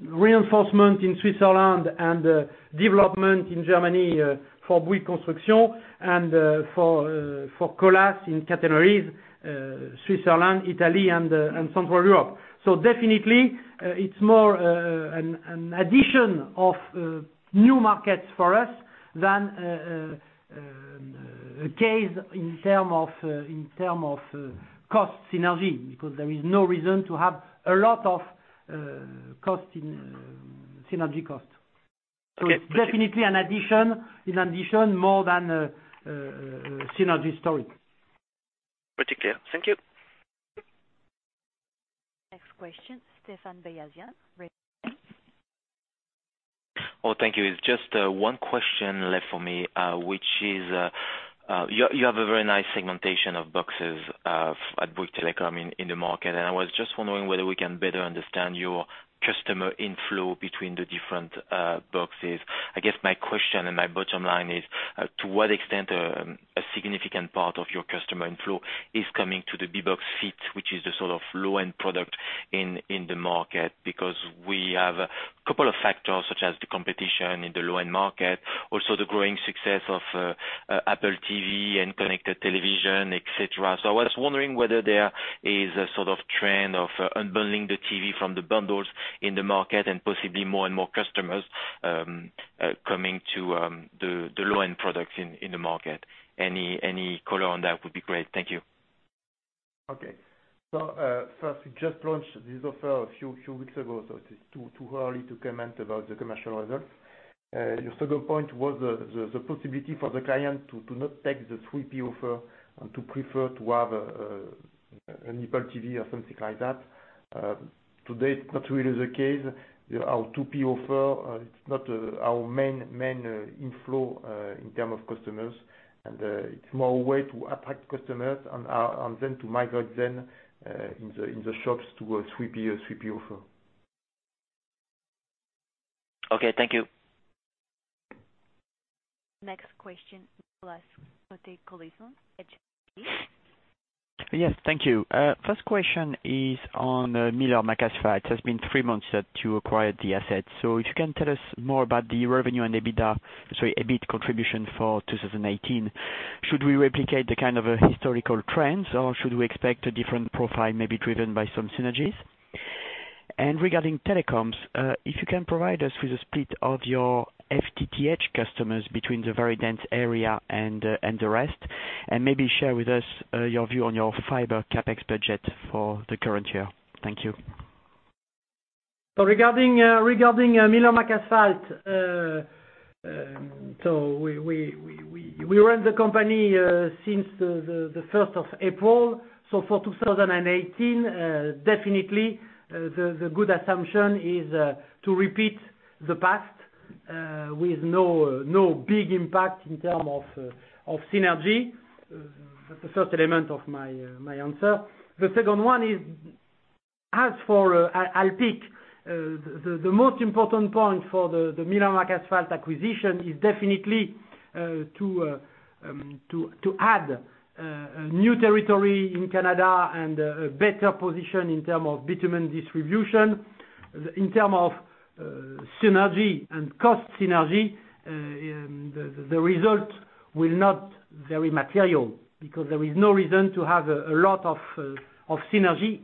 Reinforcement in Switzerland and development in Germany for Bouygues Construction and for Colas in categories Switzerland, Italy, and Central Europe. Definitely, it's more an addition of new markets for us than a case in terms of cost synergy, because there is no reason to have a lot of synergy cost. Okay. It's definitely an addition more than a synergy story. Pretty clear. Thank you. Next question, Stéphane Beyazian, Raymond James. Thank you. It's just one question left for me, which is, you have a very nice segmentation of boxes at Bouygues Telecom in the market, and I was just wondering whether we can better understand your customer inflow between the different boxes. I guess my question and my bottom line is, to what extent a significant part of your customer inflow is coming to the Bbox Fit, which is the sort of low-end product in the market? We have a couple of factors such as the competition in the low-end market, also the growing success of Apple TV and connected television, et cetera. I was wondering whether there is a sort of trend of unbundling the TV from the bundles in the market and possibly more and more customers coming to the low-end products in the market. Any color on that would be great. Thank you. First we just launched this offer a few weeks ago, it is too early to comment about the commercial results. Your second point was the possibility for the client to not take the 3P offer and to prefer to have an Apple TV or something like that. Today, it's not really the case. Our 2P offer, it's not our main inflow in terms of customers. It's more a way to attract customers and then to migrate them in the shops towards 3P offer. Okay, thank you. Next question, Nicolas with Oddo BHF. Yes, thank you. First question is on Miller McAsphalt. It has been three months that you acquired the assets. If you can tell us more about the revenue and EBIT contribution for 2018. Should we replicate the kind of historical trends or should we expect a different profile maybe driven by some synergies? Regarding telecoms, if you can provide us with a split of your FTTH customers between the very dense area and the rest, and maybe share with us your view on your fiber CapEx budget for the current year. Thank you. Regarding Miller McAsphalt, we run the company since the 1st of April. For 2018, definitely the good assumption is to repeat the past with no big impact in term of synergy. That's the first element of my answer. The second one is, as for Alpiq, the most important point for the Miller McAsphalt acquisition is definitely to add a new territory in Canada and a better position in term of bitumen distribution. In term of synergy and cost synergy, the result will not very material because there is no reason to have a lot of synergy.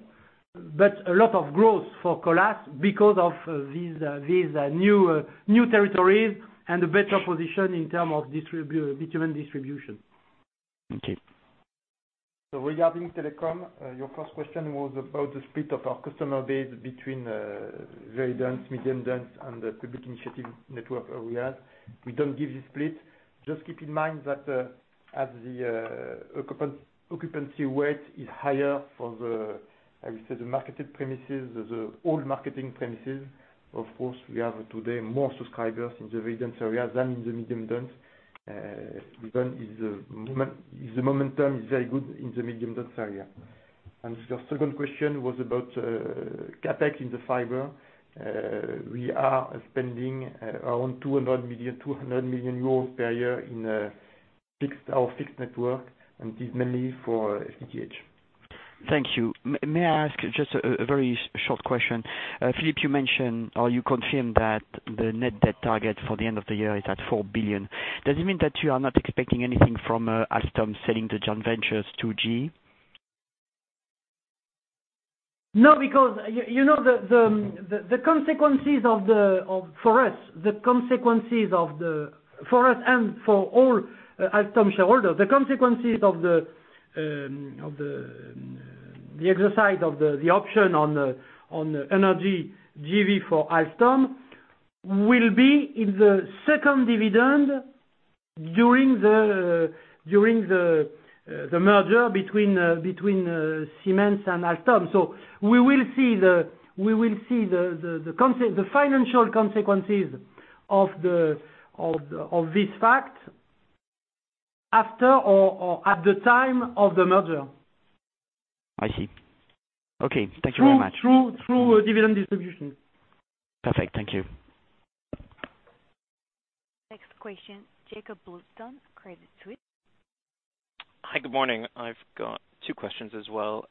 A lot of growth for Colas because of these new territories and a better position in term of bitumen distribution. Thank you. Regarding telecom, your first question was about the split of our customer base between very dense, medium dense, and the public initiative network areas. We don't give the split. Just keep in mind that as the occupancy rate is higher for the, I would say, the marketed premises, the old marketing premises, of course, we have today more subscribers in the very dense areas than in the medium dense. Even if the momentum is very good in the medium dense area. Your second question was about CapEx in the fiber. We are spending around 200 million euros per year in our fixed network, and it is mainly for FTTH. Thank you. May I ask just a very short question? Philippe, you mentioned, or you confirmed that the net debt target for the end of the year is at 4 billion. Does it mean that you are not expecting anything from Alstom selling the joint ventures to GE? No, because the consequences for us and for all Alstom shareholders, the consequences of the exercise of the option on energy JV for Alstom will be in the second dividend during the merger between Siemens and Alstom. We will see the financial consequences of this fact after or at the time of the merger. I see. Okay. Thank you very much. Through a dividend distribution. Perfect. Thank you. Next question, Jakob Bluestone, Credit Suisse. Hi, good morning. I've got two questions as well.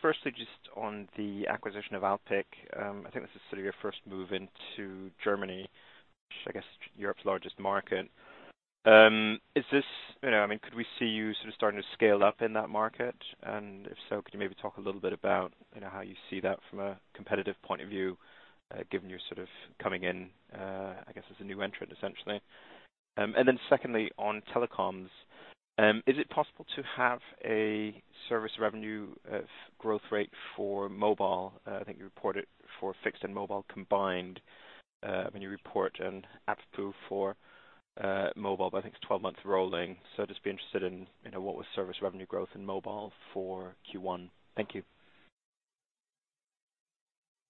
Firstly, just on the acquisition of Alpiq. I think this is sort of your first move into Germany, which I guess Europe's largest market. Could we see you sort of starting to scale up in that market? If so, could you maybe talk a little bit about how you see that from a competitive point of view, given you're sort of coming in, I guess, as a new entrant essentially? Secondly, on telecoms, is it possible to have a service revenue growth rate for mobile? I think you report it for fixed and mobile combined when you report and ARPU for mobile, but I think it's 12 months rolling. Just be interested in what was service revenue growth in mobile for Q1. Thank you.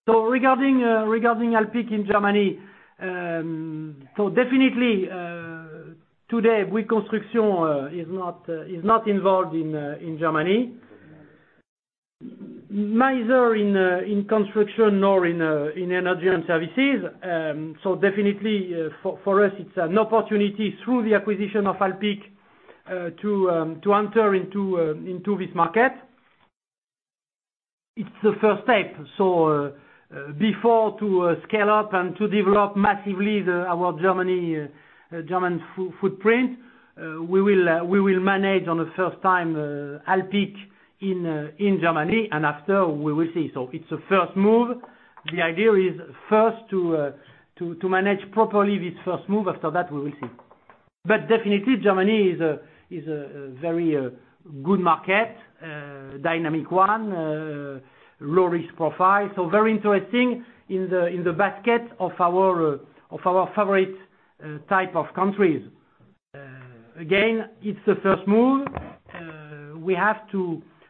Regarding Alpiq in Germany, definitely, today, Bouygues Construction is not involved in Germany, neither in construction nor in energy and services. Definitely, for us, it's an opportunity through the acquisition of Alpiq to enter into this market. It's the first step. Before to scale up and to develop massively our German footprint, we will manage on a first time Alpiq in Germany, and after we will see. It's a first move. The idea is first to manage properly this first move. After that, we will see. Definitely Germany is a very good market, a dynamic one, low risk profile. Very interesting in the basket of our favorite type of countries. Again, it's a first move. We have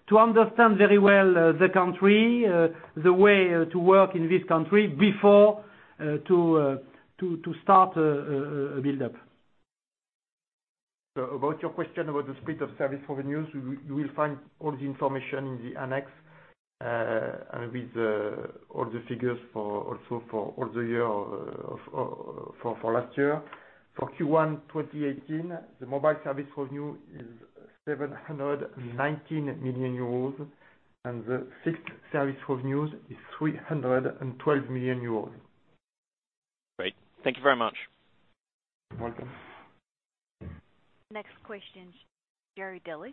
to understand very well the country, the way to work in this country before to start a build-up. About your question about the split of service revenues, you will find all the information in the annex with all the figures also for all the year for last year. For Q1 2018, the mobile service revenue is 719 million euros, and the fixed service revenues is 312 million euros. Great. Thank you very much. You're welcome. Next question, Jerry Dellis.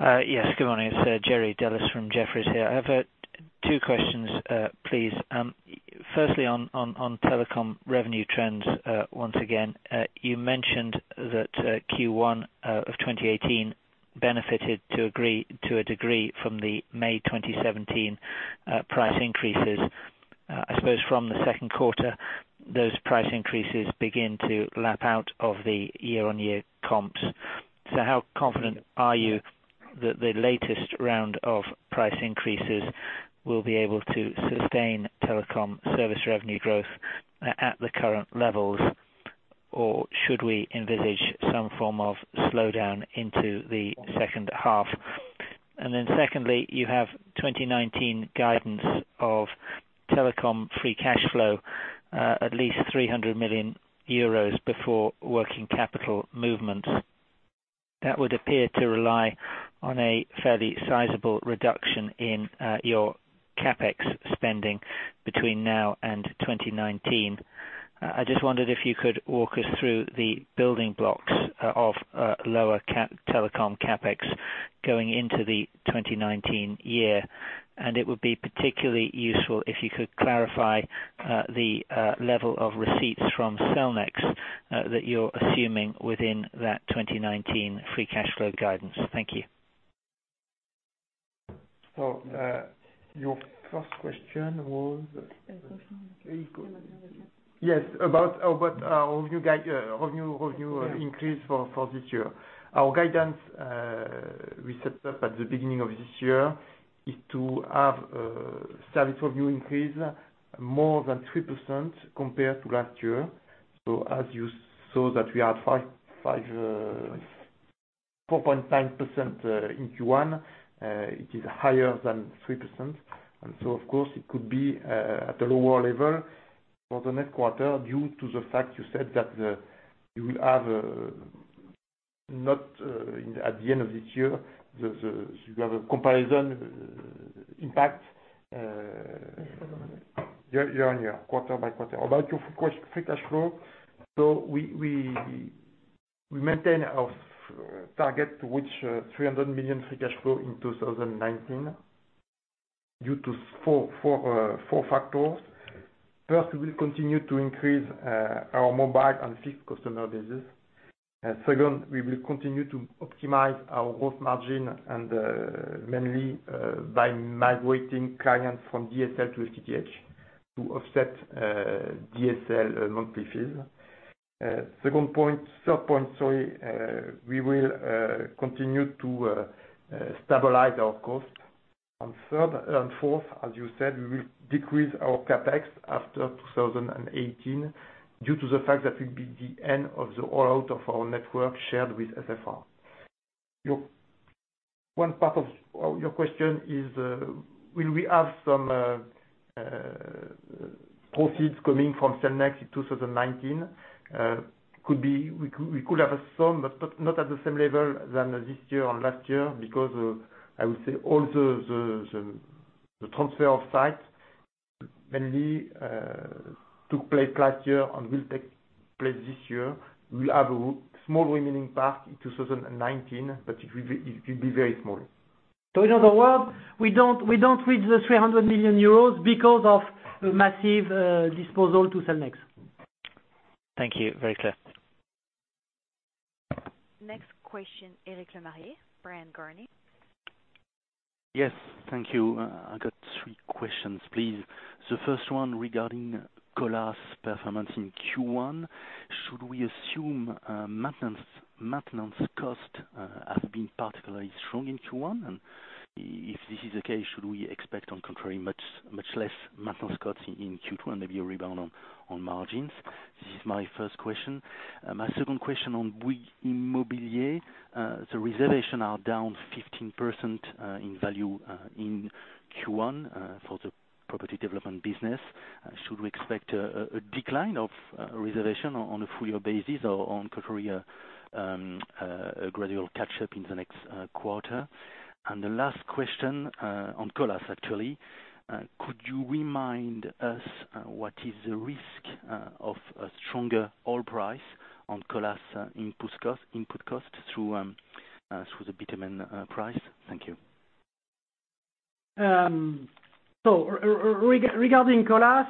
Yes, good morning. It's Jerry Dellis from Jefferies here. I have two questions please. Firstly, on telecom revenue trends, once again, you mentioned that Q1 of 2018 benefited to a degree from the May 2017 price increases. I suppose from the second quarter, those price increases begin to lap out of the year-on-year comps. How confident are you that the latest round of price increases will be able to sustain telecom service revenue growth at the current levels, or should we envisage some form of slowdown into the second half? Secondly, you have 2019 guidance of telecom free cash flow at least 300 million euros before working capital movements. That would appear to rely on a fairly sizable reduction in your CapEx spending between now and 2019. I just wondered if you could walk us through the building blocks of lower telecom CapEx going into the 2019 year. It would be particularly useful if you could clarify the level of receipts from Cellnex that you're assuming within that 2019 free cash flow guidance. Thank you. Your first question was? Yes, about our revenue increase for this year. Our guidance we set up at the beginning of this year is to have service revenue increase more than 3% compared to last year. As you saw that we are at 4.9% in Q1, it is higher than 3%. Of course it could be at a lower level for the next quarter due to the fact you said that you will have, not at the end of this year, you have a comparison impact year-on-year, quarter-by-quarter. About your free cash flow, we maintain our target to reach 300 million free cash flow in 2019 due to four factors. First, we will continue to increase our mobile and fixed customer business. Second, we will continue to optimize our growth margin and mainly by migrating clients from DSL to FTTH to offset DSL monthly fees. Third point, we will continue to stabilize our cost. Fourth, as you said, we will decrease our CapEx after 2018 due to the fact that will be the end of the rollout of our network shared with SFR. One part of your question is, will we have some profits coming from Cellnex in 2019? We could have some, but not at the same level than this year or last year because of, I would say all the transfer of sites mainly took place last year and will take place this year. We will have a small remaining part in 2019, but it will be very small. In other words, we don't reach the 300 million euros because of massive disposal to Cellnex. Thank you. Very clear. Next question, Eric Lemarié, Bryan, Garnier & Co. Yes. Thank you. I got three questions, please. First one regarding Colas' performance in Q1. Should we assume maintenance cost have been particularly strong in Q1? If this is the case, should we expect, on contrary, much less maintenance costs in Q1, maybe a rebound on margins? This is my first question. My second question on Bouygues Immobilier. The reservation are down 15% in value in Q1 for the property development business. Should we expect a decline of reservation on a full year basis or, on contrary, a gradual catch-up in the next quarter? The last question on Colas, actually. Could you remind us what is the risk of a stronger oil price on Colas input cost through the bitumen price? Thank you. Regarding Colas,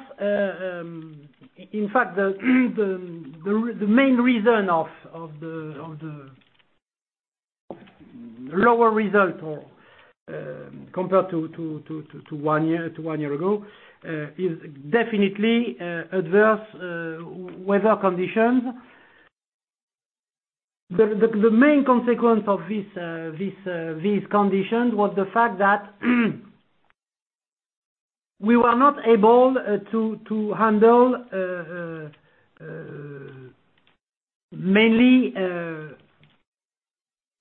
in fact, the main reason of the lower result compared to one year ago is definitely adverse weather conditions. The main consequence of these conditions was the fact that we were not able to handle mainly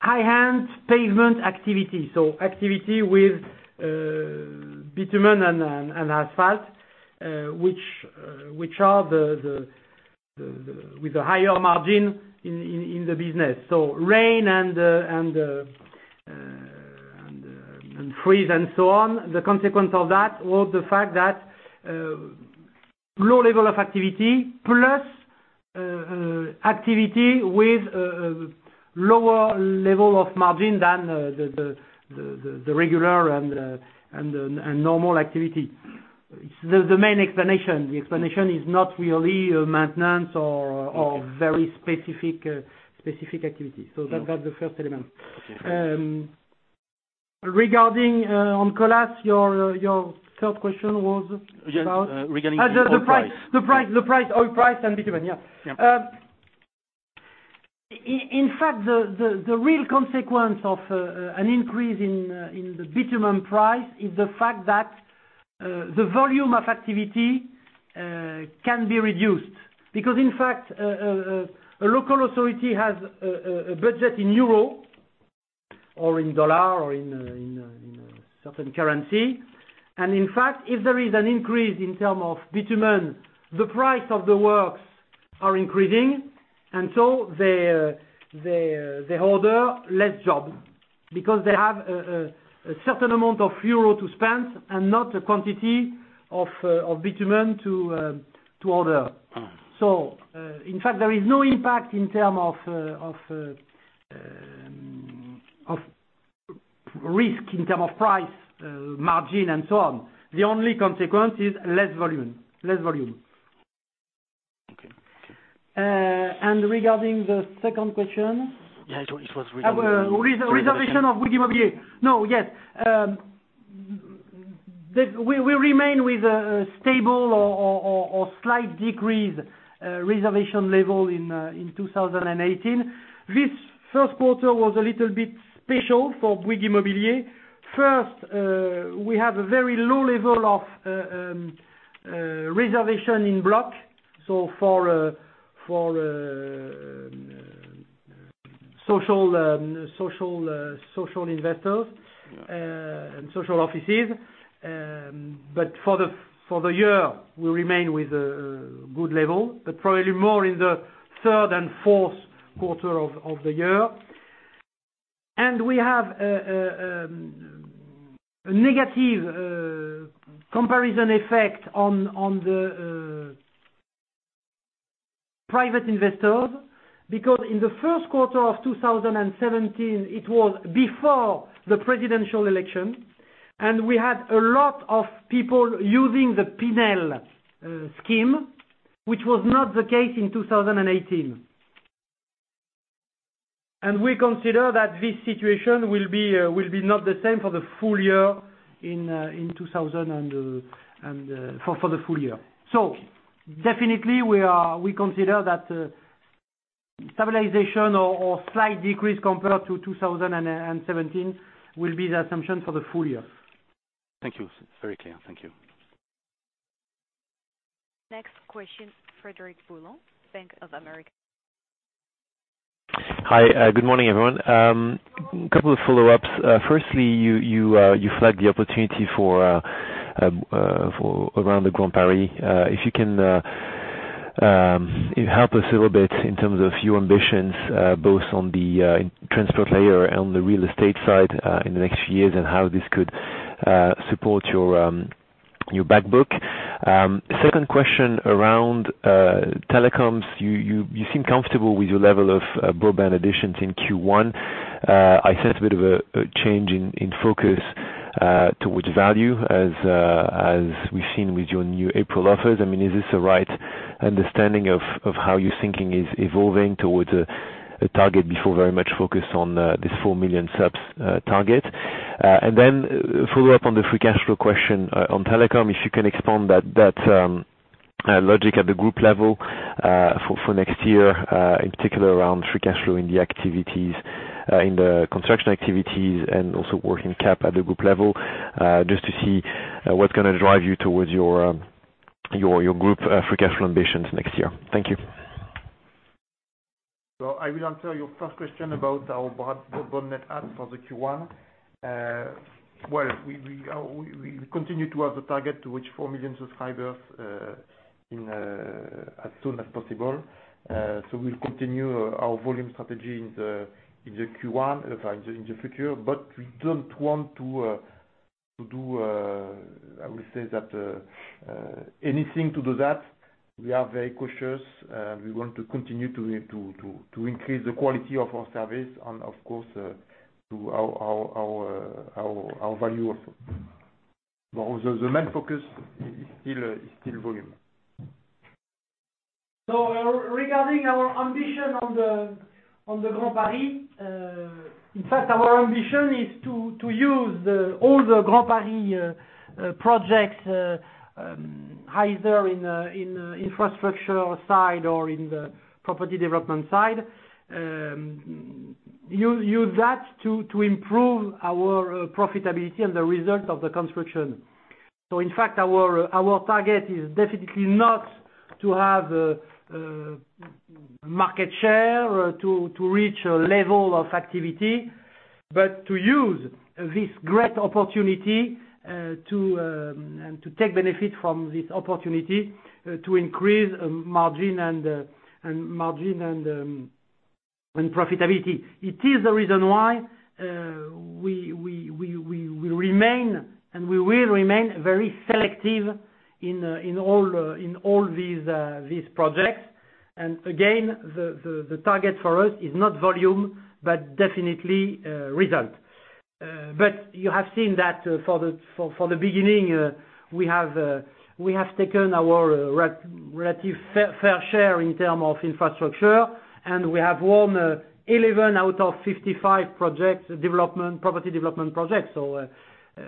high-end pavement activity. Activity with bitumen and asphalt which are with the higher margin in the business. Rain and freeze and so on. The consequence of that was the fact that low level of activity plus activity with lower level of margin than the regular and normal activity. It's the main explanation. The explanation is not really maintenance or very specific activity. That's the first element. Okay. Regarding on Colas, your third question was about? Regarding the oil price. The oil price and bitumen, yeah. Yeah. In fact, the real consequence of an increase in the bitumen price is the fact that the volume of activity can be reduced. In fact, a local authority has a budget in EUR or in dollar or in a certain currency. In fact, if there is an increase in term of bitumen, the price of the works are increasing, so they order less jobs because they have a certain amount of EUR to spend and not a quantity of bitumen to order. In fact, there is no impact in term of risk, in term of price, margin, and so on. The only consequence is less volume. Okay. Regarding the second question. Yeah, it was reservation. Reservation of Bouygues Immobilier. No, yes. We remain with a stable or slight decreased reservation level in 2018. This first quarter was a little bit special for Bouygues Immobilier. First, we have a very low level of reservation in block, so for social investors. Yeah Social offices. For the year, we remain with a good level, but probably more in the third and fourth quarter of the year. We have a negative comparison effect on the private investors, because in the first quarter of 2017, it was before the presidential election, and we had a lot of people using the Pinel scheme, which was not the case in 2018. We consider that this situation will be not the same for the full year. Definitely, we consider that stabilization or slight decrease compared to 2017 will be the assumption for the full year. Thank you. Very clear. Thank you. Next question, Frédéric Boulan, Bank of America. Hi. Good morning, everyone. Couple of follow-ups. Firstly, you flagged the opportunity around the Grand Paris. If you can help us a little bit in terms of your ambitions, both on the transport layer and on the real estate side in the next few years, and how this could support your back book. Second question around telecoms. You seem comfortable with your level of broadband additions in Q1. I sense a bit of a change in focus towards value as we've seen with your new April offers. Is this the right understanding of how your thinking is evolving towards a target before very much focused on this 4 million subs target? Follow up on the free cash flow question on telecom, if you can expand that logic at the group level for next year, in particular around free cash flow in the construction activities and also working cap at the group level, just to see what's going to drive you towards your group free cash flow ambitions next year. Thank you. I will answer your first question about our broad net adds for the Q1. We continue to have the target to reach 4 million subscribers as soon as possible. We'll continue our volume strategy in the Q1, in fact, in the future. We don't want to do, I will say that, anything to do that. We are very cautious, and we want to continue to increase the quality of our service and of course, to our value also. The main focus is still volume. Regarding our ambition on the Grand Paris, in fact, our ambition is to use all the Grand Paris projects, either in infrastructure side or in the property development side, use that to improve our profitability and the result of the construction. In fact, our target is definitely not to have market share to reach a level of activity, but to use this great opportunity to take benefit from this opportunity to increase margin and profitability. It is the reason why we remain, and we will remain very selective in all these projects. Again, the target for us is not volume, but definitely result. You have seen that for the beginning, we have taken our relative fair share in term of infrastructure, and we have won 11 out of 55 projects, property development projects.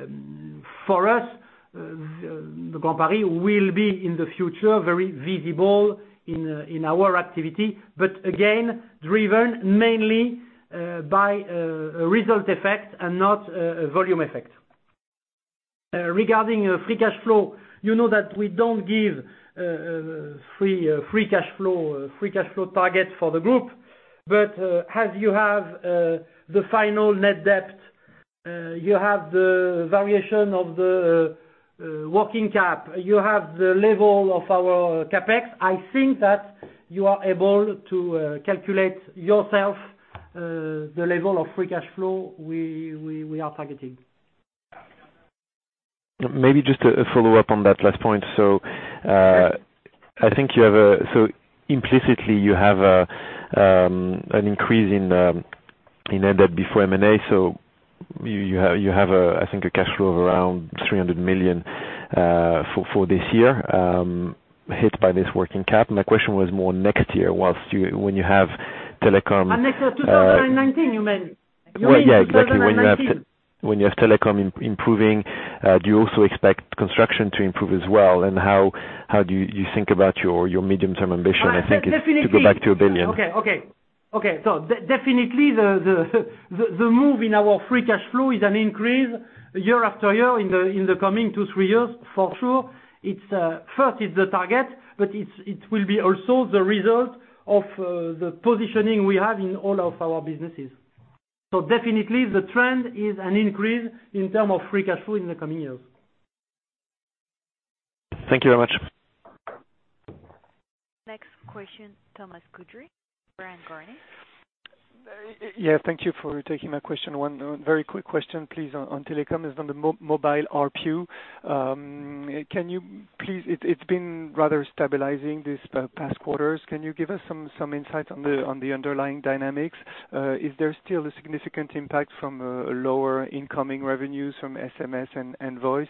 For us, the Grand Paris will be, in the future, very visible in our activity, but again, driven mainly by a result effect and not a volume effect. Regarding free cash flow, you know that we don't give free cash flow targets for the group. As you have the final net debt You have the variation of the working cap. You have the level of our CapEx. I think that you are able to calculate yourself the level of free cash flow we are targeting. Maybe just a follow-up on that last point. Implicitly you have an increase in net debt before M&A, you have, I think, a cash flow of around 300 million for this year hit by this working cap. My question was more next year when you have telecom- Next year 2019, you mean? Yeah, exactly. When you have telecom improving, do you also expect construction to improve as well? How do you think about your medium-term ambition? I think it's to go back to 1 billion. Okay. Definitely the move in our free cash flow is an increase year after year in the coming two, three years, for sure. First, it's the target, but it will be also the result of the positioning we have in all of our businesses. Definitely the trend is an increase in terms of free cash flow in the coming years. Thank you very much. Next question, Thomas Coudry, Bryan, Garnier & Co. Yeah, thank you for taking my question. One very quick question, please, on telecom is on the mobile ARPU. It has been rather stabilizing these past quarters. Can you give us some insight on the underlying dynamics? Is there still a significant impact from lower incoming revenues from SMS and voice?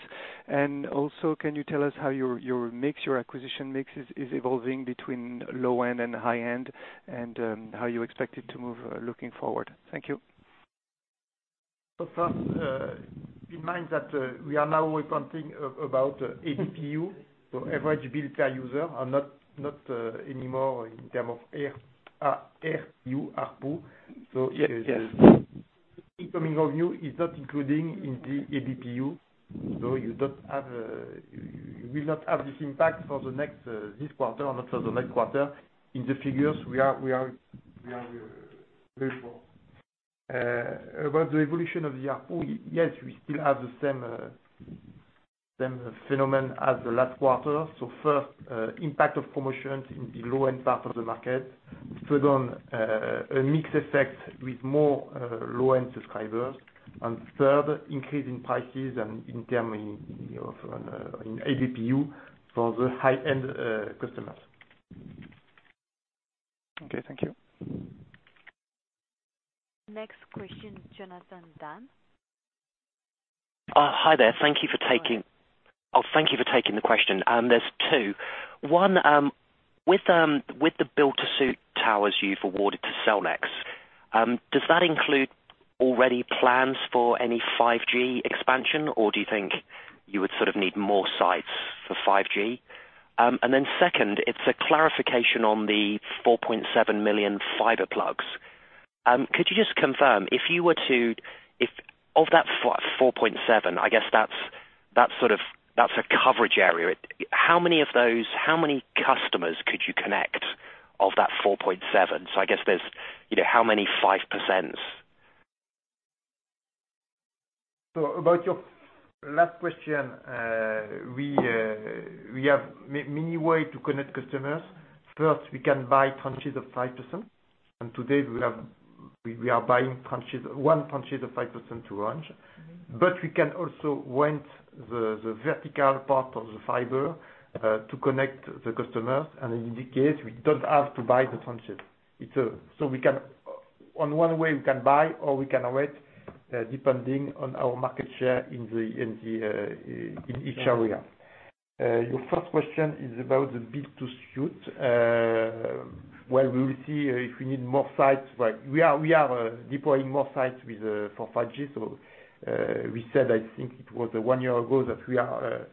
Also, can you tell us how your acquisition mix is evolving between low-end and high-end, and how you expect it to move looking forward? Thank you. First, bear in mind that we are now reporting about ABPU, average bill per user and not anymore in term of ARPU. Yes. Incoming revenue is not including in the ABPU, you will not have this impact for this quarter or not for the next quarter in the figures we are waiting for. About the evolution of the ARPU, yes, we still have the same phenomenon as the last quarter. First, impact of promotions in the low-end part of the market. Second, a mixed effect with more low-end subscribers. Third, increase in prices and in term of ABPU for the high-end customers. Okay, thank you. Next question, Jonathan Dann. Hi there. Thank you for taking the question. There's two. One, with the build-to-suit towers you've awarded to Cellnex, does that include already plans for any 5G expansion, or do you think you would sort of need more sites for 5G? Then second, it's a clarification on the 4.7 million fiber plugs. Could you just confirm, of that 4.7, I guess that's a coverage area. How many customers could you connect of that 4.7? I guess there's how many 5%s? About your last question, we have many way to connect customers. First, we can buy tranches of 5%, today we are buying one tranches of 5% to launch. We can also rent the vertical part of the fiber to connect the customers, in this case, we don't have to buy the tranches. On one way, we can buy, or we can wait, depending on our market share in each area. Your first question is about the build to suit. We will see if we need more sites. We are deploying more sites for 5G. We said, I think it was one year ago, that we are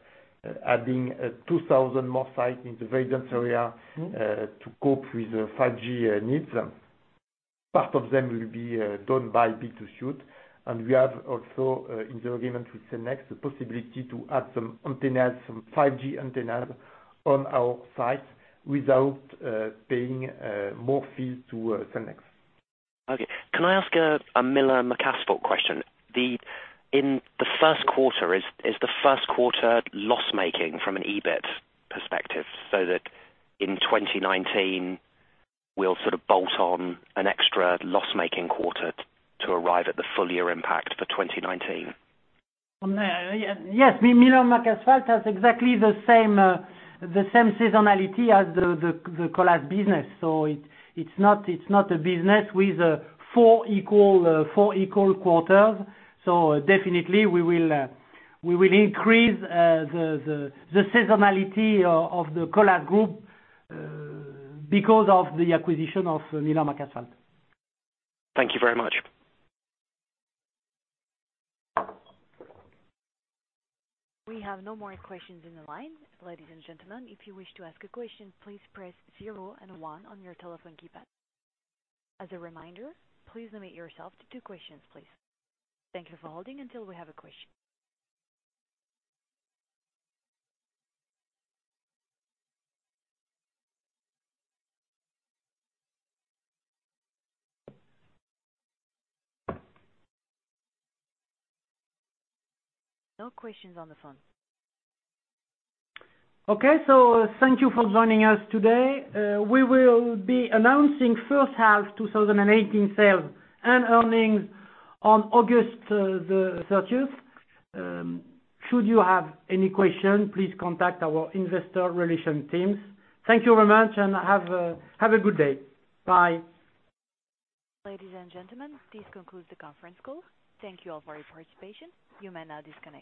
adding 2,000 more sites in the very dense area to cope with the 5G needs. Part of them will be done by build to suit. We have also, in the agreement with Cellnex, the possibility to add some antennas, some 5G antennas on our sites without paying more fees to Cellnex. Okay. Can I ask a Miller McAsphalt question? In the first quarter, is the first quarter loss-making from an EBIT perspective, so that in 2019, we'll sort of bolt on an extra loss-making quarter to arrive at the full year impact for 2019? Yes. Miller McAsphalt has exactly the same seasonality as the Colas business. It's not a business with four equal quarters. Definitely we will increase the seasonality of the Colas group because of the acquisition of Miller McAsphalt. Thank you very much. We have no more questions in the line. Ladies and gentlemen, if you wish to ask a question, please press zero and one on your telephone keypad. As a reminder, please limit yourself to two questions, please. Thank you for holding until we have a question. No questions on the phone. Okay, thank you for joining us today. We will be announcing first half 2018 sales and earnings on August the 30th. Should you have any question, please contact our investor relations teams. Thank you very much and have a good day. Bye. Ladies and gentlemen, this concludes the conference call. Thank you all for your participation. You may now disconnect.